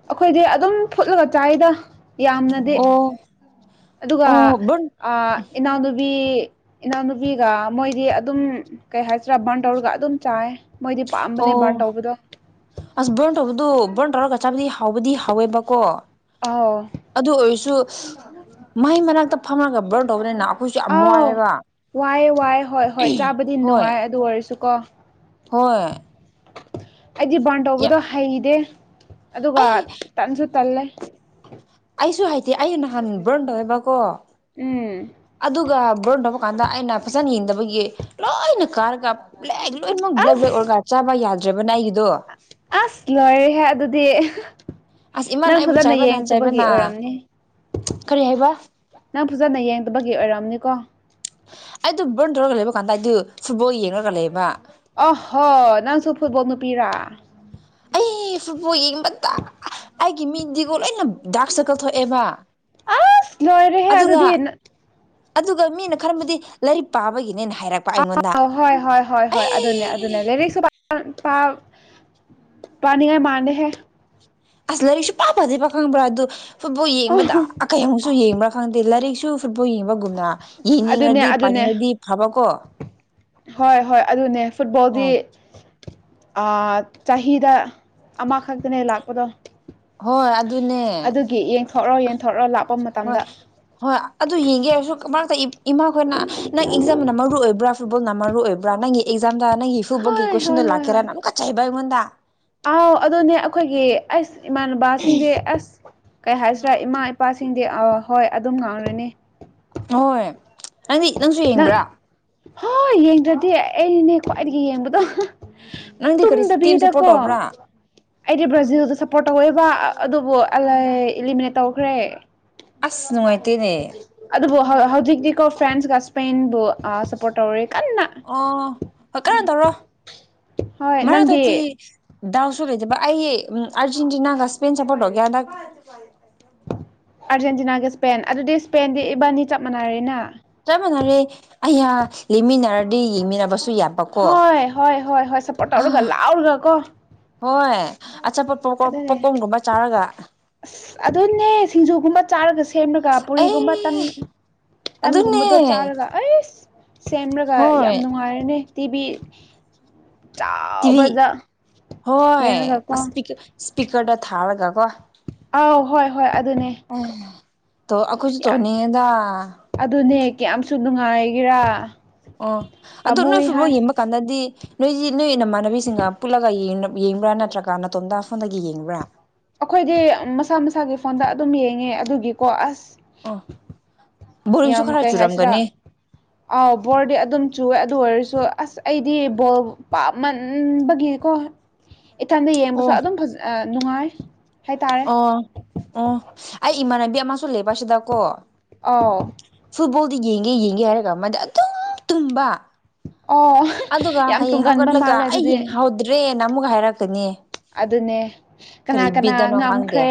ꯑꯩꯈꯣꯏꯗꯤ ꯑꯗꯨꯝ ꯐꯨꯠꯂꯒ ꯆꯥꯏꯗ ꯌꯥꯝꯅ ꯑ ꯑꯣ ꯑꯗꯨꯒ ꯑꯣ ꯕ꯭ꯔꯟ ꯏꯅꯥꯎꯅꯨꯕꯤ ꯏꯅꯥꯎꯅꯨꯄꯤꯒ ꯃꯣꯏꯗꯤ ꯑꯗꯨꯝ ꯀꯩ ꯍꯥꯏꯁꯤgꯔꯥ ꯕꯥꯟꯇꯧꯔꯒ ꯑꯗꯨꯝ ꯆꯥꯏ ꯃꯣꯏꯗꯤ ꯄꯥꯝꯕꯅꯦ ꯑꯣ ꯕꯥꯔꯟ ꯇꯧꯕꯗꯣ ꯑꯁ ꯕꯔꯟ ꯇꯧꯕꯗꯨ ꯕꯔꯟ ꯇꯧꯔꯒ ꯆꯥꯕꯗꯤ ꯍꯥꯎꯕꯗꯤ ꯍꯥꯎꯋꯦꯕꯀꯣ ꯑꯎ ꯑꯗꯨ ꯑꯣꯏꯔꯁꯨ ꯃꯩ ꯃꯅꯥꯛꯇ ꯐꯝꯃꯒ ꯕ꯭ꯔꯟ ꯇꯧꯕꯅꯤꯅꯥ ꯑꯥꯎ ꯋꯥꯏ ꯋꯥꯏ ꯍꯣꯏ ꯍꯣꯏ ꯆꯥꯕꯗꯤ ꯍꯣꯏ ꯅꯨꯡꯉꯥꯏ ꯑꯗꯨ ꯑꯣꯏꯔꯁꯨ ꯀꯣ ꯍꯣꯏ ꯑꯩꯗꯤ ꯕꯥꯔꯟ ꯌꯥꯝ ꯇꯧꯕꯗꯣ ꯍꯩꯗꯦ ꯑꯗꯨꯒ ꯑꯩ ꯇꯟꯁꯨ ꯇꯜꯂꯦ ꯑꯩꯁꯨ ꯍꯩꯇꯦ ꯑꯩꯩꯅ ꯅꯍꯥꯟ ꯕ꯭ꯔꯟ ꯇꯧꯋꯦꯕꯀꯣ ꯎꯝ ꯑꯗꯨꯒ ꯕ꯭ꯔꯟ ꯇꯩꯕ ꯀꯥꯟꯗ ꯑꯩꯅ ꯐꯖꯅ ꯌꯦꯡꯗꯕꯒꯤ ꯂꯣꯏꯅ ꯀꯥꯔꯒ ꯕ꯭ꯂꯦꯛ ꯂꯣꯏꯅꯃꯛ ꯕ꯭ꯂꯦꯛ ꯑꯁ ꯕ꯭ꯂꯦꯛ ꯑꯣꯏꯔꯒ ꯆꯥꯕ ꯌꯥꯗꯔꯕꯅꯦ ꯌꯥꯗꯔꯕꯅꯦ ꯑꯩꯒꯤꯗꯣ ꯑꯁ ꯂꯣꯏꯔꯦꯍꯦ ꯑꯗꯨꯗꯤ ꯑꯁ ꯏꯃꯥꯅ ꯅꯪ ꯑꯩꯕꯨ ꯐꯖꯟꯅ ꯆꯥꯏꯕꯅ ꯌꯦꯡꯗꯕꯒꯤ ꯆꯥꯏꯕꯅ ꯑꯣꯏꯔꯝꯅꯤ ꯀꯔꯤ ꯍꯥꯏꯕ ꯅꯪ ꯐꯖꯟꯅ ꯌꯦꯡꯗꯕꯒꯤ ꯑꯣꯏꯔꯝꯅꯤꯀꯣ ꯑꯩꯗ ꯕ꯭ꯔꯟ ꯇꯧꯔꯒ ꯂꯩꯕ ꯀꯥꯟꯗ ꯑꯩꯗꯤ ꯐꯨꯠꯕꯣꯜ ꯌꯦꯡꯉꯒ ꯂꯩꯕ ꯑꯣ ꯍꯣ ꯅꯪꯁꯨ ꯐꯨꯠꯕꯣꯜ ꯃꯄꯤꯔꯥ ꯑꯩ ꯐꯨꯠꯕꯣꯜ ꯌꯦꯡꯕꯗ ꯑꯩꯒꯤ ꯃꯤꯠꯇꯤꯀꯣ ꯂꯣꯏꯅ ꯗꯥꯛ ꯁꯔꯀꯜ ꯊꯣꯛꯑꯦꯕ ꯂꯣꯏꯔꯦ ꯍꯦ ꯑꯗꯨꯒ ꯑꯗꯨꯗꯤ ꯅꯪ ꯑꯗꯨꯒ ꯃꯤꯅ ꯈꯟꯕꯗꯤ ꯂꯥꯏꯔꯤꯛ ꯄꯥꯕꯒꯤꯅꯦꯅ ꯍꯥꯏꯔꯛꯄ ꯑꯩꯉꯣꯟꯗ ꯥꯎ ꯍꯣꯏ ꯍꯣꯏ ꯍꯣꯏ ꯍꯣꯏ ꯑꯩ ꯑꯗꯨꯅꯦ ꯑꯗꯨꯅꯦ ꯂꯥꯏꯔꯤꯛꯁꯨ ꯄꯅꯤꯡꯉꯏ ꯃꯥꯟꯗꯦ ꯑꯁ ꯂꯥꯏꯔꯤꯛ ꯁꯨꯄꯥ ꯄꯗꯦꯕ ꯈꯪꯕ꯭ꯔꯥ ꯑꯗꯨ ꯐꯨꯠꯕꯣꯜ ꯑꯣ ꯌꯦꯡꯕꯗ ꯑꯃꯛꯁꯨ ꯌꯦꯡꯕ꯭ꯔꯥ ꯈꯪꯗꯦ ꯂꯥꯏꯔꯤꯛꯁꯨ ꯐꯨꯠꯕꯣꯜ ꯌꯦꯡꯕꯒꯨꯝꯅ ꯑꯗꯨꯅꯦ ꯌꯦꯡꯅꯤꯡꯉꯗꯤ ꯑꯗꯨꯅꯦ ꯄꯥꯅꯤꯡꯉꯗꯤ ꯐꯕꯥ ꯀꯣ ꯍꯣꯏ ꯍꯣꯏ ꯑꯗꯨꯅꯦ ꯐꯨꯠꯕꯣꯜꯗꯤ ꯎꯝ ꯑ ꯆꯍꯤꯗ ꯑꯃꯈꯛꯇꯅꯦ ꯂꯥꯛꯄꯗꯣ ꯍꯣꯏ ꯑꯗꯨꯅꯦ ꯌꯦꯡꯊꯣꯔꯛꯑꯣ ꯌꯦꯡꯊꯣꯔꯛꯑꯣ ꯂꯥꯞꯄ ꯍꯣꯏ ꯍꯣꯏ ꯑꯗꯨ ꯌꯦꯡꯒꯦ ꯍꯥꯏꯔꯁꯨ ꯃꯔꯛꯇ ꯏꯃꯥꯈꯣꯏꯅ ꯅꯪ ꯑꯦꯛꯖꯝꯅ ꯃꯔꯨ ꯑꯣꯏꯕꯔ ꯐꯨꯠꯕꯣꯜꯅ ꯃꯔꯨ ꯑꯣꯏꯕꯔ ꯅꯪꯒꯤ ꯑꯦꯛꯖꯥꯝꯗ ꯅꯪꯒꯤ ꯐꯨꯠꯕꯣꯜꯒꯤ ꯍꯣꯏ ꯍꯣꯏ ꯀꯣꯏꯁꯟ ꯍꯣꯏ ꯂꯥꯛꯀꯦꯔ ꯍꯣꯏ ꯑꯃꯛꯀꯥ ꯆꯩꯕ ꯑꯩꯉꯣꯟꯗ ꯑꯥꯎ ꯑꯗꯨꯅꯦ ꯑꯈꯣꯏꯒꯤ ꯑꯩꯁ ꯏꯃꯥꯟꯅꯕꯁꯤꯡꯗꯤ ꯑꯁ ꯀꯩ ꯍꯥꯏꯁꯤꯔꯥ ꯏꯃꯥ ꯏꯄꯥꯁꯤꯡꯗꯤ ꯑ ꯍꯣꯏ ꯑꯗꯨꯝ ꯉꯥꯡꯔꯅꯤ ꯍꯣꯏ ꯅꯪꯗꯤ ꯅꯪꯁꯨ ꯅꯪ ꯌꯦꯡꯕꯔ ꯍꯣꯏ ꯌꯦꯡꯗ꯭ꯔꯗꯤ ꯑꯩꯅꯦ ꯈ꯭ꯋꯥꯏꯗꯒꯤ ꯌꯦꯡꯕꯗꯣ ꯅꯪꯗꯤ ꯀꯔꯤ ꯇꯤꯝ ꯁꯞꯄꯣꯔꯠ ꯇꯨꯝꯗꯕꯤꯗꯀꯣ ꯇꯧꯕ꯭ꯔꯥ ꯑꯩꯗꯤ ꯕ꯭ꯔꯥꯖꯤꯜꯗ ꯁꯞꯄꯣꯔꯠ ꯇꯧꯋꯦꯕ ꯑꯗꯨꯕꯨ ꯏꯂꯤꯃꯤꯅꯦꯠ ꯇꯧꯈ꯭ꯔꯦ ꯑꯁ ꯅꯨꯡꯉꯥꯏꯇꯦꯅꯦ ꯑꯗꯨꯕꯨ ꯍꯧꯖꯤꯛꯇꯤꯀꯣ ꯐ꯭ꯔꯥꯟꯁꯀ ꯏꯁꯄꯦꯟꯕꯨ ꯁꯞꯄꯣꯠ ꯇꯧꯔꯦ ꯀꯟꯅ ꯑꯣ ꯍꯣꯏ ꯀꯟꯅ ꯇꯧꯔꯣ ꯍꯣꯏ ꯅꯪꯗꯤ ꯃꯔꯛꯇꯗꯤ ꯗꯥꯎꯁꯨ ꯂꯩꯇꯕ ꯑꯩ ꯑꯔꯖꯦꯟꯇꯤꯅꯥꯒ ꯏꯁꯄꯦꯟ ꯁꯄꯣꯔꯠ ꯇꯧꯒꯦꯍꯟꯗꯛ [unintelligible] ꯑꯥꯔꯖꯦꯟꯇꯤꯅꯥꯒ ꯏꯁꯄꯦꯟ ꯑꯗꯨꯗꯤ ꯏꯁꯄꯦꯟꯗꯤ ꯏꯕꯥꯅꯤ ꯆꯞ ꯃꯥꯟꯅꯔꯦꯅ ꯆꯞ ꯃꯥꯟꯅꯔꯦ ꯑꯩꯌꯥ ꯂꯩꯃꯤꯟꯅꯔꯗꯤ ꯌꯦꯡꯃꯤꯟꯅꯕꯁꯨ ꯌꯥꯞ ꯍꯣꯏ ꯍꯣꯏ ꯍꯣꯏ ꯍꯣꯏ ꯁꯞꯄꯣꯔꯠ ꯇꯧꯔꯒ ꯂꯥꯎꯔꯒ ꯀꯣ ꯍꯣꯏ ꯑꯆꯥꯄꯣꯠ ꯄꯣꯞꯀꯣꯔꯟ ꯑꯗꯨꯅꯦ ꯄꯣꯞꯀꯣꯔꯟꯒꯨꯝꯕ ꯆꯥꯔꯒ ꯑꯁ ꯑꯗꯨꯅꯦ ꯁꯤꯡꯖꯨꯒꯨꯝꯕ ꯆꯥꯔꯒꯁ ꯁꯦꯝꯔꯒ ꯄꯨꯔꯤꯒꯨꯝꯕ ꯇꯟ ꯑꯩ ꯑꯗꯨꯅꯦ ꯇꯟꯒꯨꯝꯕꯗꯣ ꯆꯥꯔꯒ ꯑꯩꯁ ꯁꯦꯝꯔꯒ ꯍꯣꯏ ꯌꯥꯝ ꯅꯨꯡꯉꯥꯏꯔꯅꯤ ꯇꯤꯚꯤ ꯇꯤꯚꯤ ꯆꯥꯎꯕꯗ ꯍꯣꯏ ꯌꯦꯡꯔꯒꯀꯣ ꯑꯁ ꯏꯁꯄꯤꯒ ꯏꯁꯄꯤꯀꯔꯗ ꯊꯥꯔꯒꯀꯣ ꯑꯥꯎ ꯍꯣꯏ ꯍꯣꯏ ꯑꯗꯨꯅꯦ ꯇꯣ ꯑꯈꯣꯏꯁꯨ ꯌꯥꯝ ꯇꯣꯅꯤꯡꯉꯤꯗ ꯑꯗꯨꯅꯦ ꯀꯌꯥꯝꯁꯨ ꯅꯨꯡꯉꯥꯏꯒꯦꯔꯥ ꯑꯣ ꯑꯗꯣ ꯅꯣꯏ ꯄꯥꯝꯃꯨꯏ ꯍꯥꯏ ꯐꯨꯠꯕꯣꯜ ꯌꯦꯡꯕ ꯀꯥꯟꯗꯗꯤ ꯅꯣꯏꯗꯤ ꯅꯣꯏ ꯅꯃꯥꯟꯅꯕꯤꯁꯤꯡꯒ ꯄꯨꯜꯂꯒ ꯌꯦꯡꯅꯞ ꯌꯦꯡꯕ꯭ꯔꯥ ꯅꯠꯇ꯭ꯔꯒ ꯅꯇꯣꯝꯇ ꯐꯝꯔꯒ ꯌꯦꯡꯕ꯭ꯔꯥ ꯑꯈꯣꯏꯗꯤ ꯑꯝ ꯃꯁꯥ ꯃꯁꯥꯒꯤ ꯐꯣꯟꯗ ꯑꯗꯨꯝ ꯌꯦꯡꯉꯦ ꯑꯗꯨꯒꯤꯀꯣ ꯑꯁ ꯑꯣ ꯕꯣꯔꯤꯡꯁꯨ ꯌꯥꯝ ꯈꯔ ꯀꯩ ꯆꯨꯔꯝꯒꯅꯤ ꯍꯥꯏꯁꯤꯔꯥ ꯑꯥꯎ ꯕꯣꯔꯗꯤ ꯑꯗꯨꯝ ꯆꯨꯑꯦ ꯑꯗꯨ ꯑꯣꯏꯔꯁꯨ ꯑꯁ ꯑꯩꯗꯤ ꯕꯣꯜ ꯄꯥꯝꯃꯟꯕꯒꯤ ꯀꯣ ꯏꯊꯟꯗ ꯌꯦꯡꯕꯁꯨ ꯑꯣ ꯑꯗꯨꯝ ꯐꯖ ꯑ ꯅꯨꯡꯉꯥꯏ ꯍꯥꯏꯇꯥꯔꯦ ꯑꯣ ꯑꯣ ꯑꯩ ꯏꯃꯥꯟꯅꯕꯤ ꯑꯃꯁꯨ ꯂꯩꯕꯁꯤꯗꯀꯣ ꯑꯥꯎ ꯐꯨꯠꯕꯣꯜꯗꯤ ꯌꯦꯡꯒꯦ ꯌꯦꯡꯒꯦ ꯍꯥꯏꯔꯒ ꯃꯥꯗꯤ ꯑꯗꯨꯝ ꯇꯨꯝꯕ ꯑꯣ ꯑꯗꯨꯒ ꯌꯥꯝ ꯍꯌꯦꯡ ꯇꯨꯡꯒꯟꯕ ꯍꯧꯒꯠꯂꯒ ꯃꯥꯜꯂꯦ ꯑꯩ ꯑꯗꯨꯗꯤ ꯌꯦꯡꯍꯧꯗ꯭ꯔꯦꯅ ꯑꯃꯨꯛꯀ ꯍꯥꯏꯔꯛꯀꯅꯤ ꯑꯗꯨꯅꯦ ꯀꯅꯥ ꯀꯔꯤ ꯀꯅꯥ ꯕꯤꯠꯇꯅꯣ ꯈꯪꯗꯦ ꯉꯝꯈ꯭ꯔꯦ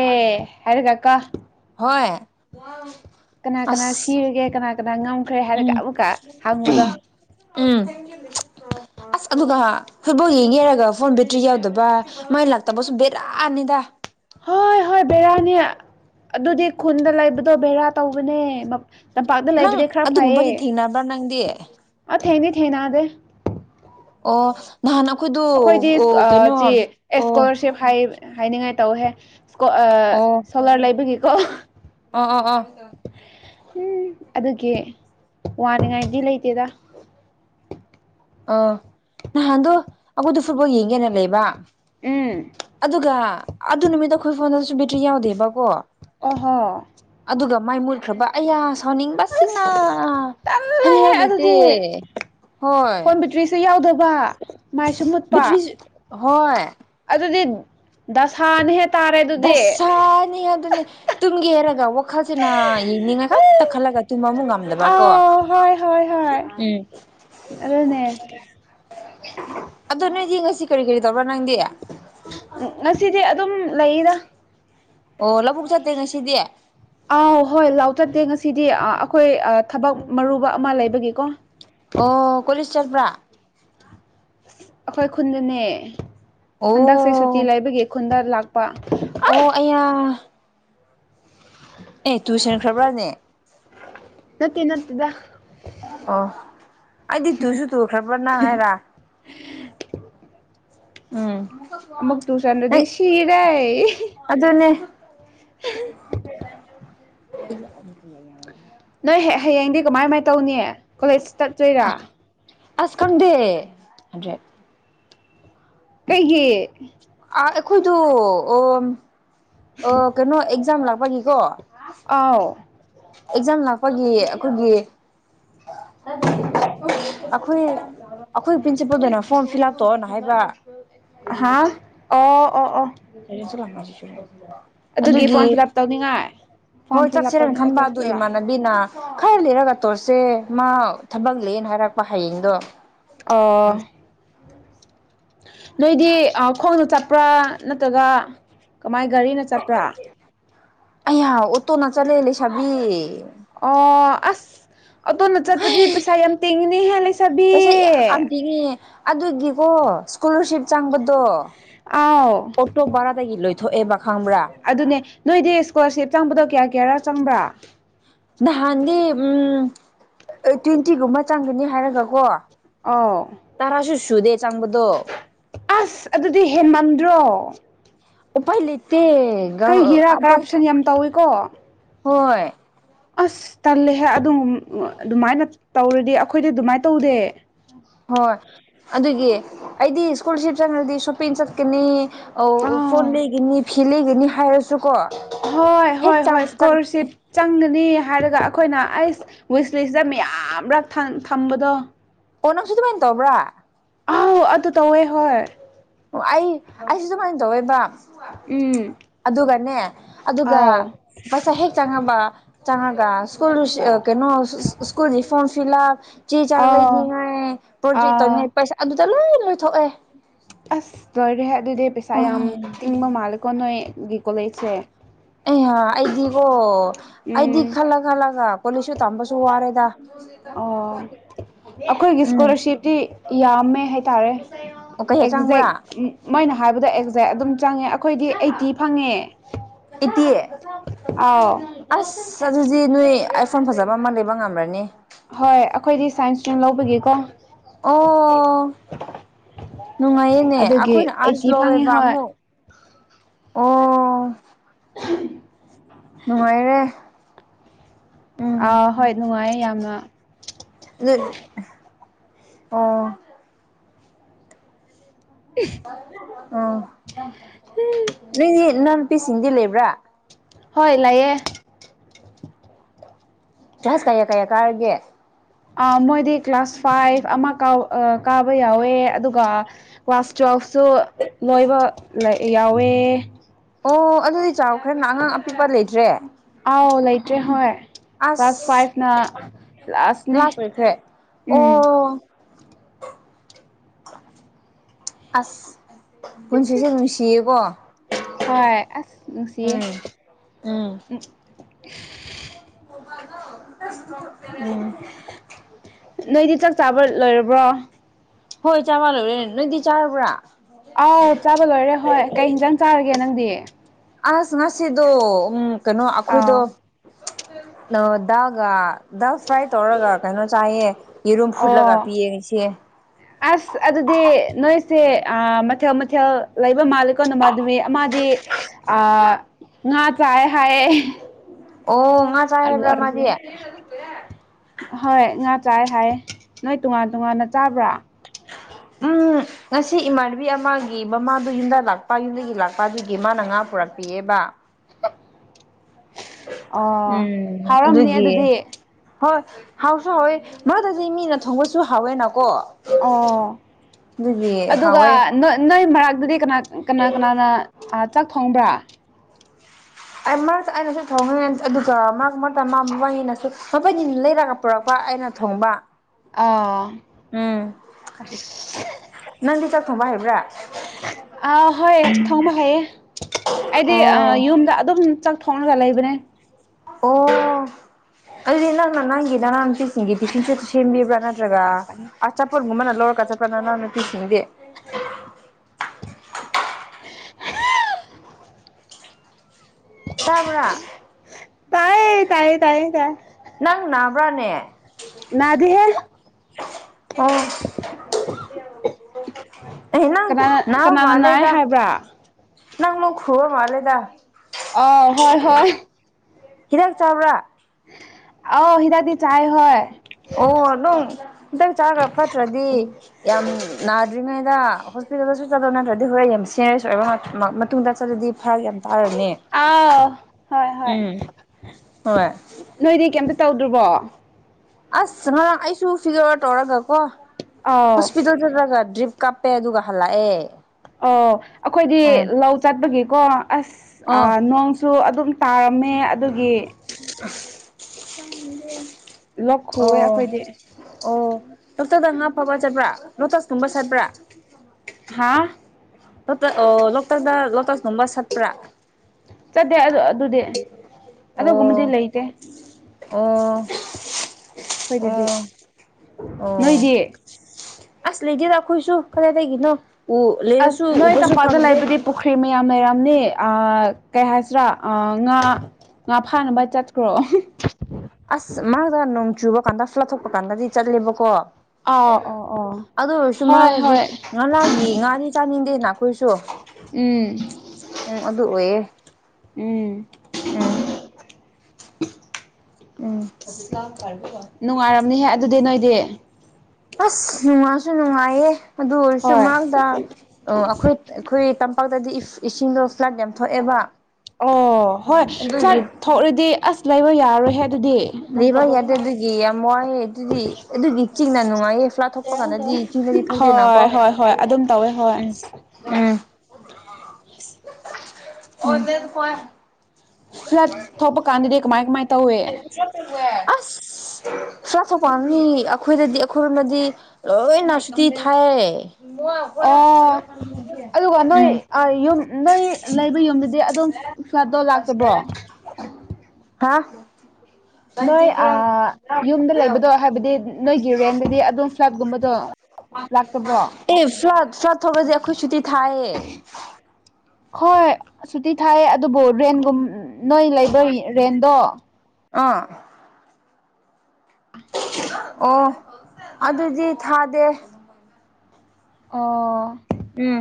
ꯍꯥꯏꯔꯒ ꯀꯣ ꯍꯣꯏ ꯀꯅꯥ ꯀꯅꯥ ꯑꯁ ꯁꯤꯔꯒꯦ ꯀꯅꯥ ꯀꯅꯥ ꯉꯝꯈ꯭ꯔꯦ ꯍꯥꯏꯔꯒ ꯎꯝ ꯑꯃꯨꯛꯀ ꯍꯪꯕꯗꯣ ꯎꯝ ꯑꯁ ꯑꯃꯨꯛꯀ ꯐꯨꯠꯕꯣꯜ ꯌꯦꯡꯒꯦ ꯍꯥꯏꯔꯒ ꯐꯣꯟ ꯕꯦꯇ꯭ꯔꯤ ꯌꯥꯎꯗꯕ ꯃꯥꯏ ꯂꯥꯛꯇꯕꯁꯨ ꯕꯦꯔꯥꯅꯤꯗ ꯍꯣꯏ ꯍꯣꯏ ꯕꯦꯔꯥꯅꯤ ꯑꯗꯨꯗꯤ ꯈꯨꯟꯗ ꯂꯩꯕꯗꯣ ꯕꯦꯔꯥ ꯇꯧꯕꯅꯦ ꯃꯞ ꯇꯝꯄꯥꯛꯇ ꯅꯪ ꯂꯩꯕꯗꯤ ꯈꯔ ꯐꯩꯌꯦ ꯑꯗꯨꯒꯨꯝꯕꯗꯤ ꯊꯦꯡꯅꯕ꯭ꯔꯥ ꯅꯪꯗꯤ ꯑꯥ ꯊꯦꯡꯅꯤ ꯊꯦꯡꯅꯗꯦ ꯑꯣ ꯅꯍꯥꯟ ꯑꯩꯈꯣꯏꯗꯨ ꯑꯩꯈꯣꯏꯗꯤ ꯑꯣ ꯀꯩꯅꯣ ꯑꯣ ꯍꯥꯞ ꯍꯥꯏꯅꯤꯡꯉꯥꯏ ꯇꯧꯍꯦ ꯀꯣ ꯑ ꯑꯣ ꯁꯣꯂꯥꯔ ꯂꯩꯕꯒꯤꯀꯣ ꯑꯣ ꯑꯣ ꯑꯣ ꯍꯨꯝ ꯑꯗꯨꯒꯤ ꯋꯥꯅꯤꯡꯉꯥꯏꯗꯤ ꯂꯩꯇꯦꯗ ꯑ ꯅꯍꯥꯟꯗꯣ ꯑꯈꯣꯏꯗ ꯐꯨꯠꯕꯣꯜ ꯌꯦꯡꯒꯦꯅ ꯂꯩꯕ ꯎꯝ ꯑꯗꯨꯒ ꯑꯗꯨ ꯅꯨꯃꯤꯠꯇꯣ ꯑꯈꯣꯏ ꯐꯣꯟꯗꯁꯨ ꯕꯦꯇ꯭ꯔꯤ ꯌꯥꯎꯗꯦꯕꯀꯣ ꯑꯣꯍꯣ ꯑꯗꯨꯒ ꯃꯥꯏ ꯃꯨꯠꯈ꯭ꯔꯕ ꯑꯩꯌꯥ ꯁꯥꯎꯅꯤꯡꯕꯁꯤꯅ ꯑꯁ ꯇꯜꯂꯍꯦ ꯍꯥꯏꯅꯤꯡꯉꯥꯏ ꯂꯩꯇꯦ ꯑꯗꯨꯗꯤ ꯍꯣꯏ ꯁꯨ ꯌꯥꯎꯗꯕ ꯃꯥꯏꯁꯨ ꯃꯨꯠꯄ ꯕꯦꯇ꯭ꯔꯤꯁꯨ ꯍꯣꯏ ꯑꯗꯨꯗꯤ ꯗꯁꯥꯅꯤꯍꯦꯠ ꯗꯁꯥꯅꯤ ꯑꯗꯨꯅꯦ ꯇꯝꯒꯦ ꯍꯔꯒ ꯋꯥ ꯈꯜꯁꯤꯅ ꯌꯦꯡꯅꯤꯡꯉ ꯈꯛꯇꯈꯜꯂꯒ ꯇꯨꯝꯕ ꯑꯃꯨꯛ ꯉꯝꯗꯕ ꯀꯣ ꯍꯣ ꯍꯣꯏ ꯍꯣꯏ ꯍꯣꯏ ꯎꯝ ꯑꯗꯨꯅꯦ ꯑꯣ ꯅꯣꯏꯗꯤ ꯉꯁꯤ ꯀꯔꯤ ꯀꯔꯤ ꯇꯧꯕ꯭ꯔ ꯅꯪꯗꯤ ꯉꯁꯤꯗꯤ ꯑꯗꯨꯝ ꯂꯩꯗ ꯑꯣ ꯂꯧꯕꯨꯛ ꯆꯠꯇꯦ ꯉꯁꯤꯗꯤ ꯑꯥꯎ ꯍꯣꯏ ꯂꯥꯎꯆꯠꯇꯦ ꯉꯁꯤꯗꯤ ꯑ ꯑꯩꯈꯣꯏ ꯊꯕꯛ ꯃꯔꯨꯕ ꯑꯃ ꯂꯩꯕꯒꯤꯀꯣ ꯑꯣ ꯀꯣꯂꯦꯁ ꯆꯠꯄꯔꯥ ꯑꯩꯈꯣꯏ ꯈꯨꯟꯗꯅꯦ ꯍꯟꯗꯛꯁꯦ ꯁꯨꯇꯤ ꯑꯣ ꯂꯩꯕꯒꯤ ꯈꯨꯟꯗ ꯂꯥꯛꯄ ꯑꯣ ꯑꯌꯥ ꯑꯦ ꯇꯨꯏꯁꯟꯈ꯭ꯔꯕ꯭ꯔꯅꯦ ꯅꯠꯇꯦ ꯅꯠꯇꯦꯗ ꯑꯣ ꯑꯩꯗꯤ ꯇꯨꯁꯨ ꯇꯨꯈ꯭ꯔꯕ꯭ꯔꯅ ꯍꯥꯏꯕ ꯎꯝ ꯑꯃꯛ ꯇꯨꯁꯟꯂꯗꯤ ꯅꯪ ꯁꯤꯔꯦ ꯑꯗꯨꯅꯦ ꯅꯣꯏ ꯍꯌꯦꯡꯗꯤ ꯀꯃꯥꯏ ꯀꯃꯥꯏꯅ ꯇꯧꯅꯤ ꯀꯣꯂꯦꯖ ꯆꯠꯇꯣꯏꯔꯥ ꯑꯁ ꯈꯪꯗꯦ ꯍꯟꯗ꯭ꯔꯦꯠ ꯀꯩꯒꯤ ꯑ ꯑꯩꯈꯣꯏꯗ ꯀꯩꯅꯣ ꯑꯦꯛꯖꯥꯝ ꯂꯥꯛꯄꯒꯤꯀꯣ ꯑꯥꯎ ꯑꯦꯛꯖꯥꯝ ꯂꯥꯛꯄꯒꯤ ꯑꯩꯈꯣꯏꯒꯤ ꯅꯅꯦ [unintelligible] ꯑꯩꯈꯣꯏꯒꯤ ꯄ꯭ꯔꯤꯟꯁꯤꯄꯜꯗꯨꯅ ꯐꯣꯝ ꯐꯤꯜ ꯑꯞ ꯇꯧꯑꯣꯅ ꯍꯥꯏꯕ ꯍꯥꯥ ꯑꯣ ꯑꯣ ꯑꯣ ꯑꯗꯨꯒꯤ ꯐꯣꯔꯝ ꯐꯤꯜ ꯑꯞ ꯇꯧꯅꯤꯡꯉꯥꯏ ꯐꯣꯔꯝ ꯍꯣꯏ ꯐꯤꯜ ꯑꯞ ꯆꯠꯁꯦꯔꯅ ꯇꯧꯅꯤꯡꯉꯥꯏ ꯈꯟꯕ ꯑꯗꯨ ꯆꯠꯀꯦꯔꯥ ꯏꯃꯥꯟꯅꯕꯤ ꯕꯤꯅꯥ ꯈꯔ ꯂꯤꯔꯒ ꯇꯣꯠꯁꯦ ꯃꯥ ꯊꯕꯛ ꯂꯩꯑꯦꯅ ꯍꯥꯏꯔꯛꯄ ꯍꯌꯦꯡꯗꯣ ꯑꯣ ꯅꯣꯏꯗꯤ ꯈꯣꯡꯗ ꯆꯠꯄ꯭ꯔꯥ ꯅꯠꯇ꯭ꯔꯒ ꯀꯃꯥꯏ ꯒꯥꯔꯤꯅ ꯆꯠꯄ꯭ꯔꯥ ꯑꯌꯥ ꯑꯣꯇꯣꯅ ꯆꯠꯂꯦ ꯂꯩꯁꯥꯕꯤ ꯑꯣ ꯑꯁ ꯑꯇꯣꯅ ꯆꯠꯄꯗꯤ ꯄꯩꯁꯥ ꯌꯥꯝ ꯇꯦꯡꯉꯤꯅꯤꯍꯦ ꯂꯩꯁꯕꯤ ꯄꯩꯁꯥ ꯌꯥꯝ ꯇꯤꯡꯉꯦ ꯑꯗꯨꯒꯤꯀꯣ ꯏꯁꯀꯣꯂꯔꯁꯤꯞ ꯆꯥꯡꯕꯗꯣ ꯑꯥꯎ ꯑꯣꯇꯣ ꯚꯔꯥꯗꯒꯤ ꯂꯣꯏ ꯊꯣꯛꯑꯦꯕ ꯈꯪꯕ꯭ꯔꯥ ꯑꯗꯨꯅꯦ ꯅꯣꯏꯗꯤ ꯏꯁꯀꯣꯂꯥꯔꯁꯤꯞ ꯆꯪꯕꯗꯣ ꯀꯌꯥ ꯀꯌꯥꯔ ꯆꯪꯕ꯭ꯔꯥ ꯅꯍꯥꯟꯗꯤ ꯎꯝ ꯇ꯭ꯋꯦꯟꯇꯤꯒꯨꯝꯕ ꯆꯪꯒꯅꯤ ꯍꯥꯏꯔꯒ ꯀꯣ ꯑꯥꯎ ꯇꯔꯥꯁꯨ ꯁꯨꯗꯦ ꯆꯪꯕꯗꯣ ꯑꯁ ꯑꯗꯨꯗꯤ ꯍꯦꯟ ꯃꯝꯗ꯭ꯔꯣ ꯎꯄꯥꯏꯂꯩ ꯀꯩꯒꯤꯔꯥ ꯀꯔꯞꯁꯟ ꯌꯥꯝ ꯇꯧꯏꯀꯣ ꯍꯣꯏ ꯑꯁ ꯇꯜꯂꯦꯍꯦ ꯑꯗꯨꯝ ꯑꯗꯨꯃꯥꯏꯅ ꯇꯧꯔꯗꯤ ꯑꯩꯈꯣꯏꯗꯤ ꯑꯗꯨꯃꯥꯏꯅ ꯇꯧꯗꯦ ꯍꯣꯏ ꯑꯗꯨꯒꯤ ꯑꯩꯗꯤ ꯁ꯭ꯀꯨꯜꯁꯤꯞ ꯆꯪꯈ꯭ꯔꯗꯤ ꯁꯣꯄꯦꯟ ꯆꯠꯀꯅꯤ ꯑꯧ ꯐꯣꯟ ꯑꯥꯎ ꯂꯩꯒꯅꯤ ꯐꯤ ꯂꯩꯒꯅꯤ ꯍꯥꯏꯔꯁꯨꯀꯣ ꯍꯣꯏ ꯍꯦꯛ ꯍꯣꯏ ꯍꯣꯏ ꯆꯪ ꯆꯪ ꯏꯁ꯭ꯀꯣꯂꯔꯁꯤꯞ ꯆꯪꯒꯅꯤ ꯍꯥꯏꯔꯒ ꯑꯩꯈꯣꯏꯅ ꯑꯩꯁ ꯋꯤꯁꯂꯤꯁꯗ ꯃꯌꯥꯝꯔꯛ ꯊꯝ ꯊꯝꯕꯗꯣ ꯑꯣ ꯅꯪ ꯁꯨꯗꯨꯃꯥꯏ ꯇꯧꯕ꯭ꯔꯥ ꯑ ꯑꯗꯨ ꯇꯧꯋꯦ ꯍꯣꯏ ꯑꯣ ꯑꯩ ꯑꯩꯁꯨ ꯑꯗꯨꯨꯃꯥꯏꯅ ꯇꯧꯋꯦꯕ ꯎꯝ ꯑꯗꯨꯒꯅꯦ ꯑꯗꯨꯒ ꯑꯥꯎ ꯄꯩꯁꯥ ꯍꯦꯛ ꯆꯪꯉꯕ ꯆꯪꯉꯒ ꯁ꯭ꯀꯨꯜ ꯀꯩꯅꯣ ꯁ꯭ꯀꯨꯜꯒꯤ ꯐꯣꯔꯝ ꯐꯤꯜ ꯑꯞ ꯆꯦ ꯆꯥꯡ ꯑꯥꯎ ꯂꯩꯅꯤꯡꯉꯥꯏ ꯄ꯭ꯔꯣꯖꯦꯛ ꯑꯥꯎ ꯇꯧꯅꯤꯡꯉꯥꯏ ꯄꯩꯁꯥ ꯑꯗꯨꯗ ꯂꯣꯏ ꯂꯣꯏꯊꯣꯛꯑꯦ ꯑꯁ ꯂꯣꯏꯔꯦ ꯑꯗꯨꯗꯤ ꯄꯩꯁꯥ ꯌꯥꯝ ꯇꯤꯡꯕ ꯃꯥꯜꯂꯦꯀꯣ ꯅꯣꯏꯒꯤ ꯀꯣꯂꯦꯖꯁꯦ ꯑꯦꯍ ꯑꯩꯗꯤ ꯑꯣꯣ ꯑꯩꯗꯤ ꯎꯝ ꯈꯜꯂꯒ ꯈꯜꯂꯒ ꯀꯣꯂꯦꯁꯁꯨ ꯇꯝꯕꯁꯨ ꯋꯥꯔꯦꯗ ꯑꯣ ꯑꯩꯈꯣꯏꯒꯤ ꯎꯝ ꯏꯁꯀꯣꯂꯔꯁꯤꯞꯇꯤ ꯌꯥꯝꯃꯦ ꯍꯥꯏꯇꯥꯔꯦ ꯑꯣ ꯀꯩꯌꯥ ꯆꯪꯕ꯭ꯔꯥ ꯑꯦꯛꯖꯦꯛ ꯎ ꯃꯣꯏꯅ ꯍꯥꯏꯕꯗ ꯑꯦꯛꯖꯦꯛ ꯑꯗꯨꯝ ꯆꯪꯉꯦ ꯑꯩꯈꯣꯏꯗꯤ ꯑꯩꯠꯇꯤ ꯐꯪꯉꯦ ꯑꯩꯠꯇꯤ ꯑꯥꯎ ꯑꯁ ꯑꯗꯨꯗꯤ ꯅꯣꯏ ꯑꯥꯏꯐꯣꯟ ꯐꯖꯕ ꯑꯃ ꯂꯩꯕ ꯉꯝꯃꯅꯤ ꯍꯣꯏ ꯑꯩꯈꯣꯏꯗꯤ ꯁꯥꯏꯟꯁ ꯏꯁꯇ꯭ꯔꯤꯝ ꯂꯧꯕꯒꯤꯀꯣ ꯑꯣ ꯅꯨꯡꯉꯥꯏꯌꯦꯅꯦ ꯑꯗꯨꯒꯤ ꯑꯩꯈꯣꯏꯅ ꯑꯥꯔꯁ ꯑꯩꯠꯇꯤ ꯐꯪꯉꯤ ꯂꯧꯋꯦꯕ ꯍꯣꯏ ꯑꯃꯨꯛ ꯑꯣ [inaudible] ꯅꯨꯡꯉꯥꯏꯔꯦ ꯎꯝ ꯑꯥ ꯍꯣꯏ ꯅꯨꯡꯉꯥꯏꯌꯦ ꯌꯥꯝꯅ ꯑꯣ ꯎ [inaudible] ꯎꯝ ꯅꯣꯏꯗꯤ ꯏꯅꯥꯎ ꯅꯨꯄꯤꯁꯤꯡꯗꯤ ꯂꯩꯕ꯭ꯔꯥ ꯍꯣꯏ ꯂꯩꯌꯦ ꯀ꯭ꯂꯥꯁ ꯀꯌꯥ ꯀꯌꯥ ꯀꯥꯔꯒꯦ ꯑ ꯃꯣꯏꯗꯤ ꯀ꯭ꯂꯥꯁ ꯐꯥꯏꯚ ꯑꯃ ꯀ ꯀꯥꯕ ꯌꯥꯎꯋꯦ ꯑꯗꯨꯒ ꯀ꯭ꯂꯥꯁ ꯇꯨꯌꯦꯜꯐ ꯁꯨ ꯂꯣꯏꯕ ꯌꯥꯎꯋꯦ ꯑꯣ ꯑꯗꯨꯗꯤ ꯆꯥꯎꯈ꯭ꯔꯦꯅ ꯑꯉꯥꯡ ꯑꯄꯤꯛꯄ ꯂꯩꯇ꯭ꯔꯦ ꯑꯧ ꯂꯩꯇ꯭ꯔꯦ ꯍꯣꯏ ꯀ꯭ꯂꯥꯁ ꯑꯁ ꯐꯥꯏꯚꯅ ꯂꯥꯁꯅꯦ ꯂꯥꯁ ꯂꯣꯢꯈ꯭ꯔꯦ ꯎꯝ ꯑꯣ ꯑꯁ ꯄꯨꯟꯁꯤꯁꯦ ꯅꯨꯡꯁꯤꯌꯦꯀꯣ ꯍꯣꯏ ꯑꯁ ꯅꯨꯡꯁꯤꯌꯦ ꯎꯝ ꯎꯝ [unintelligible] ꯅꯣꯏꯗꯤ ꯆꯥꯛ ꯆꯥꯕ ꯂꯣꯏꯔꯕ꯭ꯔꯣ ꯍꯣꯏ ꯆꯥꯕ ꯂꯣꯢꯔꯦ ꯅꯣꯏꯗꯤ ꯆꯥꯔꯕ꯭ꯔꯥ ꯑꯧ ꯆꯥꯕ ꯂꯣꯏꯔꯦ ꯍꯣꯏ ꯀꯩ ꯏꯟꯖꯥꯡ ꯆꯥꯔꯒꯦ ꯅꯪꯗꯤ ꯑꯁ ꯉꯁꯤꯗꯣ ꯎꯝ ꯀꯩꯅꯣ ꯑꯥꯎ ꯑꯩꯈꯣꯏꯗꯣ ꯗꯥꯒ ꯗꯥꯜ ꯐ꯭ꯔꯥꯏ ꯇꯧꯔꯒ ꯀꯩꯅꯣ ꯆꯥꯏꯌꯦ ꯌꯦꯔꯨꯝ ꯑꯣ ꯐꯨꯠꯂꯒ ꯄꯤꯌꯦ ꯉꯁꯤ ꯑꯁ ꯑꯗꯨꯗꯤ ꯅꯣꯏꯁꯦ ꯃꯊꯦꯜ ꯃꯊꯦꯜ ꯑꯣꯏꯕ ꯃꯥꯜꯂꯤ ꯀꯩꯅꯣꯃꯗꯨꯏ ꯑꯃꯗꯤ ꯉꯥ ꯆꯥꯏ ꯍꯥꯏꯌꯦ [inaudible] ꯑꯣ ꯉꯥ ꯑꯜꯂꯨ ꯆꯥꯏꯌꯦꯕ꯭ꯔꯥ ꯃꯥꯗꯤ ꯑꯔꯖꯨꯟ ꯍꯣꯏ ꯉꯥ ꯆꯥꯏ ꯍꯥꯏ ꯅꯣꯏ ꯇꯣꯉꯥꯟ ꯇꯣꯉꯥꯟꯅ ꯆꯥꯕ꯭ꯔꯥ ꯎꯝ ꯎꯝ ꯉꯁꯤ ꯏꯃꯥꯟꯅꯕꯤ ꯑꯃꯒꯤ ꯃꯃꯥꯗꯨ ꯌꯨꯝꯗ ꯂꯥꯛꯄ ꯌꯨꯝꯗꯒꯤ ꯂꯥꯛꯄ ꯑꯗꯨꯒꯤ ꯃꯥꯅ ꯉꯥ ꯄꯨꯔꯛꯄꯤꯌꯦꯕ ꯑꯣ ꯎꯝ ꯍꯥꯎꯔꯝꯅꯤ ꯑꯗꯨꯒꯤ ꯑꯗꯨꯗꯤ ꯍꯣꯏ ꯍꯥꯎꯁꯨ ꯍꯥꯎꯋꯦ ꯃꯥꯗꯨꯗꯤ ꯃꯤꯅ ꯊꯣꯡꯕꯁꯨ ꯍꯥꯎꯋꯦꯅꯀꯣ ꯑꯣ ꯑꯗꯨꯒꯤ ꯍꯥꯎꯋꯦ ꯅꯣ ꯅꯣꯏ ꯃꯔꯛꯇꯗꯤ ꯀꯅꯥ ꯀꯅꯥ ꯀꯅꯥꯅ ꯑ ꯆꯥꯛ ꯊꯣꯡꯕ꯭ꯔꯥ ꯑꯩ ꯃꯔꯛꯇ ꯑꯩꯅꯁꯨ ꯊꯣꯡꯉꯦ ꯑꯗꯨꯒ ꯃꯔꯛ ꯃꯔꯛꯇ ꯃꯕꯥꯅꯤꯅꯁꯨ ꯃꯕꯥꯅꯤꯅ ꯂꯩꯔꯒ ꯄꯨꯔꯛꯄ ꯑꯩꯅ ꯊꯣꯡꯕ ꯑꯥ ꯎꯝ ꯑꯁ ꯅꯪꯗꯤ ꯆꯥꯛ ꯊꯣꯡꯕ ꯍꯩꯕ꯭ꯔꯥ ꯑ ꯍꯣꯏ ꯊꯣꯡꯕ ꯍꯩꯌꯦ ꯑꯩꯗꯤ ꯑ ꯑꯣ ꯌꯨꯝꯗ ꯑꯗꯨꯝ ꯆꯥꯛ ꯊꯣꯡꯂꯒ ꯂꯩꯕꯅꯦ ꯑꯣ ꯑꯗꯨꯗꯤ ꯅꯪꯅ ꯅꯪꯒꯤ ꯅꯅꯥꯎ ꯅꯨꯄꯤ ꯁꯤꯡꯒꯤ ꯇꯤꯐꯤꯟꯁꯨ ꯁꯦꯝꯕꯤꯕ꯭ꯔꯥ ꯅꯠꯇ꯭ꯔꯒ ꯑꯆꯥꯄꯣꯠꯒꯨꯝꯕꯅ ꯂꯧꯔꯒ ꯆꯠꯄ꯭ꯔꯥ ꯅꯅꯥꯎ ꯅꯨꯄꯤꯁꯤꯡꯗꯤ ꯇꯥꯕ꯭ꯔꯥ ꯇꯥꯏꯌꯦ ꯇꯥꯏꯌꯦ ꯇꯥꯏꯌꯦ ꯇꯥꯏꯌꯦ ꯅꯪ ꯅꯥꯕ꯭ꯔꯥꯅꯦ ꯅꯥꯗꯦꯍꯦ ꯑꯣ ꯑꯦ ꯅꯪ ꯀꯅꯥ ꯅꯥꯕ ꯀꯅꯥꯅ ꯅꯥꯏ ꯃꯥꯜꯂꯦꯗ ꯍꯥꯏꯕ꯭ꯔꯥ ꯅꯪ ꯂꯣꯛ ꯈꯨꯕ ꯃꯥꯜꯂꯦꯗ ꯑꯧ ꯍꯣꯏ ꯍꯣꯏ ꯍꯤꯗꯥꯛ ꯆꯥꯕ꯭ꯔꯥ ꯑꯧ ꯍꯤꯗꯥꯛꯇꯤ ꯆꯥꯏꯌꯦ ꯍꯣꯢ ꯑꯣ ꯑꯗꯨꯝ ꯍꯤꯗꯥꯛ ꯆꯥꯔꯒ ꯐꯠꯇ꯭ꯔꯗꯤ ꯌꯥꯝ ꯅꯥꯗ꯭ꯔꯤꯉꯩꯗ ꯍꯣꯁꯄꯤꯇꯥꯜꯗꯁꯨ ꯆꯠꯂꯣ ꯅꯠꯇ꯭ꯔꯗꯤ ꯍꯣꯔꯦ ꯌꯥꯝ ꯁꯦꯔꯤꯌꯁ ꯑꯣꯏꯕ ꯃꯠ ꯃꯥ ꯃꯇꯨꯡꯗ ꯆꯠꯂꯗꯤ ꯐꯔꯛ ꯌꯥꯝ ꯇꯥꯔꯅꯤ ꯑꯥꯎ ꯍꯣꯏ ꯍꯣꯏ ꯎꯝ ꯍꯣꯏ ꯅꯣꯏꯗꯤ ꯀꯩꯝꯇ ꯇꯧꯗ꯭ꯔꯤꯕꯣ ꯑꯁ ꯉꯔꯥꯡ ꯑꯩꯁꯨ ꯐꯤꯚꯔ ꯇꯧꯔꯒ ꯀꯣ ꯑꯥꯎ ꯍꯣꯁꯄꯤꯇꯥꯜ ꯆꯠꯂꯒ ꯗ꯭ꯔꯤꯞ ꯀꯥꯞꯄꯦ ꯑꯗꯨꯒ ꯍꯜꯂꯛꯑꯦ ꯑꯧ ꯑꯈꯣꯏꯗꯤ ꯎꯝ ꯂꯧ ꯆꯠꯄꯒꯤꯀꯣ ꯑꯁ ꯑ ꯑꯣ ꯅꯣꯡ ꯁꯨ ꯑꯗꯨꯝ ꯇꯥꯔꯝꯃꯦ ꯑꯗꯨꯒꯤ ꯂꯣꯛ ꯈꯨꯋꯦ ꯑꯣ ꯑꯩꯈꯣꯏꯗꯤ ꯑꯣ ꯂꯣꯛꯇꯥꯗ ꯉꯥ ꯐꯕ ꯆꯠꯄ꯭ꯔꯥ ꯂꯣꯇꯁꯀꯨꯝꯕ ꯁꯥꯠꯄ꯭ꯔꯥ ꯍꯥꯥ ꯂꯣꯛꯇ ꯑꯣ ꯂꯣꯛꯇꯥꯛꯇ ꯂꯣꯇꯁꯒꯨꯝꯕ ꯁꯥꯠꯄ꯭ꯔꯥ ꯆꯠꯇꯦ ꯑꯗꯨ ꯑꯗꯨꯗꯤ ꯑꯗꯨꯒꯨꯝꯕꯗꯤ ꯑꯣ ꯂꯩꯇꯦ ꯑꯣ ꯈꯣꯏꯗꯗꯤ ꯑꯣ ꯑꯣ ꯅꯣꯏꯗꯤ ꯑꯁ ꯂꯩꯗꯦꯗ ꯑꯩꯈꯣꯏꯁꯨ ꯀꯗꯥꯏꯗꯒꯤꯅꯣ ꯎ ꯑꯁ ꯂꯩꯔꯁꯨ ꯅꯣꯏ ꯎꯕꯁꯨ ꯇꯝꯄꯥꯛꯇ ꯐꯪꯗꯦ ꯂꯩꯕꯗꯤ ꯄꯨꯈ꯭ꯔꯤ ꯃꯌꯥꯝ ꯂꯩꯔꯝꯅꯤ ꯑ ꯀꯩ ꯍꯥꯏꯁꯤꯔꯥ ꯑ ꯉꯥ ꯉꯥ ꯐꯥꯅꯕꯥ ꯆꯠꯈ꯭ꯔꯣ ꯑꯁ ꯃꯥꯥꯒ ꯅꯣꯡ ꯆꯨꯕ ꯀꯥꯟꯗ ꯐ꯭ꯂꯗ ꯊꯣꯛꯄ ꯀꯥꯟꯗꯗꯤ ꯆꯠꯂꯦꯕꯀꯣ ꯑ ꯑꯣ ꯑꯣ ꯍꯣꯏ ꯍꯣꯏ ꯉꯔꯥꯡꯒꯤ ꯉꯥꯗꯤ ꯆꯥꯅꯤꯡꯗꯦꯅ ꯑꯈꯣꯏꯁꯨ ꯎꯝ ꯎꯝ ꯑꯗꯨ ꯑꯣꯏꯌꯦ ꯎꯝ ꯎꯝ ꯎꯝ ꯅꯨꯡꯉꯥꯏꯔꯝꯅꯤꯍꯦ ꯑꯗꯨꯗꯤ ꯅꯣꯏꯗꯤ ꯑꯁ ꯅꯨꯡꯁꯨ ꯅꯨꯡꯉꯥꯏꯌꯦ ꯑꯗꯨ ꯑꯣꯏꯔꯁꯨ ꯍꯣꯏ ꯃꯥꯥꯡꯗ ꯑꯣ ꯑꯩꯈꯣꯏ ꯑꯩꯈꯣꯏ ꯇꯝꯄꯥꯛꯇꯗꯤ ꯏ ꯏꯁꯤꯡꯗꯣ ꯐ꯭ꯂꯗ ꯌꯥꯝ ꯊꯣꯛꯑꯦꯕ ꯑꯣ ꯍꯣꯏ ꯑꯗꯨꯒꯤ ꯐ꯭ꯂꯗ ꯊꯣꯛꯔꯗꯤ ꯑꯁ ꯂꯩꯕ ꯌꯥꯔꯣꯏꯍꯦ ꯑꯗꯨꯗꯤ ꯂꯤꯕꯥꯔ ꯌꯥꯗꯕꯒꯤ ꯌꯥꯝ ꯋꯥꯏꯌꯦ ꯑꯗꯨꯗꯤ ꯑꯗꯨꯗꯤ ꯆꯤꯡꯅ ꯅꯨꯡꯉꯥꯏꯌꯦ ꯐ꯭ꯂꯥꯠ ꯊꯣꯛꯄ ꯀꯥꯟꯗꯗꯤ ꯆꯤꯡꯗꯗꯤ ꯊꯣꯛꯇꯦꯅꯀꯣ ꯍꯣꯏ ꯍꯣꯏ ꯍꯣꯏ ꯑꯗꯨꯝ ꯇꯧꯋꯦ ꯍꯣꯏ ꯎꯝ ꯎꯝ ꯎꯝ ꯐ꯭ꯂꯥꯠ ꯊꯣꯛꯄ ꯀꯥꯟꯗꯗꯤ ꯀꯃꯥꯏ ꯀꯃꯥꯏ ꯇꯧꯏ ꯑꯁ ꯐ꯭ꯂꯠ ꯊꯣꯛꯄ ꯀꯥꯟꯗꯗꯤ ꯑꯩꯈꯣꯏꯗꯗꯤ ꯑꯩꯈꯣꯏꯔꯣꯝꯗꯗꯤ ꯂꯣꯏꯅ ꯁꯨꯇꯤ ꯊꯥꯏꯌꯦ ꯎꯝ ꯑ ꯌꯨꯝ ꯅꯣꯏ ꯂꯩꯕ ꯌꯨꯝꯗꯨꯗꯤ ꯑꯗꯨꯝ ꯐ꯭ꯂꯠꯇꯣ ꯂꯥꯛ ꯍꯥ ꯅꯣꯏ ꯑ ꯌꯨꯝꯗ ꯂꯩꯕꯗꯣ ꯍꯥꯏꯕꯗꯤ ꯅꯣꯏꯒꯤ ꯔꯦꯟꯗꯗꯤ ꯑꯗꯨꯝ ꯐ꯭ꯂꯥꯠ ꯀꯨꯝꯕꯗꯣ ꯑꯦ ꯐ꯭ꯂꯠ ꯐ꯭ꯂꯠ ꯊꯣꯛꯔꯗꯤ ꯑꯩꯈꯣꯏ ꯁꯨꯇꯤ ꯊꯥꯏꯌꯦ ꯍꯣꯏ ꯁꯨꯇꯤ ꯊꯥꯏꯌꯦ ꯑꯗꯨꯕꯨ ꯔꯦꯟꯒꯨꯝ ꯅꯣꯏ ꯂꯩꯕ ꯔꯦꯟꯗꯣ ꯑꯥ ꯑꯣ ꯑꯗꯨꯗꯤ ꯊꯥꯗꯦ ꯑꯣ ꯎꯝ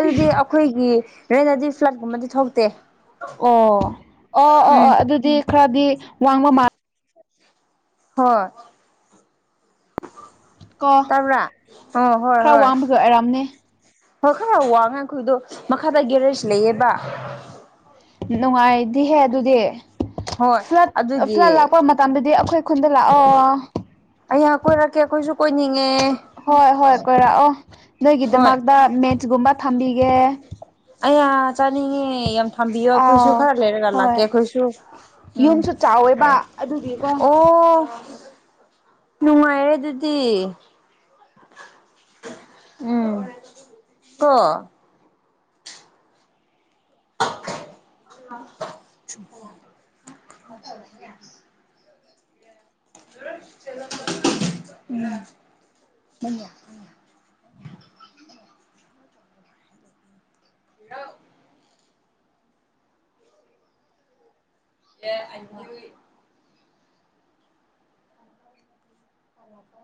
ꯑꯗꯨꯗꯤ ꯑꯩꯈꯣꯏꯒꯤ ꯔꯦꯟꯇꯗꯤ ꯐ꯭ꯂꯗꯀꯨꯝꯕꯗꯤ ꯊꯣꯛꯇꯦ ꯑꯣ ꯑꯣ ꯑꯣ ꯎꯝ ꯑꯣ ꯑꯗꯨꯗꯤ ꯈꯔꯗꯤ ꯋꯥꯡꯕ ꯃꯥꯜꯂ ꯍꯣꯏ ꯀꯣ ꯇꯥꯕ꯭ꯔꯥ ꯑꯣ ꯍꯣꯏ ꯈꯔ ꯍꯣꯏ ꯋꯥꯡꯕꯒꯤ ꯑꯣꯏꯔꯝꯅꯤ ꯍꯣꯏ ꯈꯔ ꯋꯥꯡꯉꯦꯕ ꯑꯩꯈꯣꯏꯗꯣ ꯃꯈꯥꯗ ꯒꯦꯔꯦꯖ ꯂꯩꯌꯦꯕ ꯅꯨꯡꯉꯥꯏꯗꯤꯍꯦ ꯑꯗꯨꯗꯤ ꯍꯣꯏ ꯐ꯭ꯂꯠ ꯑꯗꯨꯒꯤ ꯐ꯭ꯂꯠ ꯂꯥꯛꯄ ꯃꯇꯝꯗꯗꯤ ꯑꯩꯈꯣꯏ ꯈꯨꯟꯗ ꯂꯥꯛꯑꯣ ꯑꯩꯌꯥ ꯀꯣꯏꯔꯛꯀꯦ ꯑꯩꯈꯣꯏꯁꯨ ꯀꯣꯏꯅꯤꯡꯉꯦ ꯍꯣꯏ ꯍꯣꯏ ꯀꯣꯏꯔꯛꯑꯣ ꯍꯣꯏ ꯅꯣꯏꯒꯤꯗꯃꯛꯇ ꯃꯦꯠꯆꯀꯨꯝꯕ ꯊꯝꯕꯤꯒꯦ ꯑꯌꯥ ꯆꯥꯅꯤꯡꯉꯦ ꯌꯥꯝ ꯊꯝꯕꯤꯌꯣ ꯑꯩꯈꯣꯏꯁꯨ ꯑꯥꯎ ꯈꯔ ꯂꯩꯔꯒ ꯍꯣꯏ ꯂꯥꯛꯀꯦ ꯑꯩꯈꯣꯏꯁꯨ ꯎꯝ ꯌꯨꯝꯁꯨ ꯆꯥꯎꯋꯦꯕ ꯑꯗꯨꯒꯤꯀꯣ ꯑꯣ ꯅꯨꯡꯉꯥꯏꯔꯦ ꯑꯗꯨꯗꯤ ꯎꯝ ꯀꯣ [inaudible] ꯎꯝ ꯍꯜꯂꯣ ꯎꯝ [unintelligible] ꯍ [inaudible]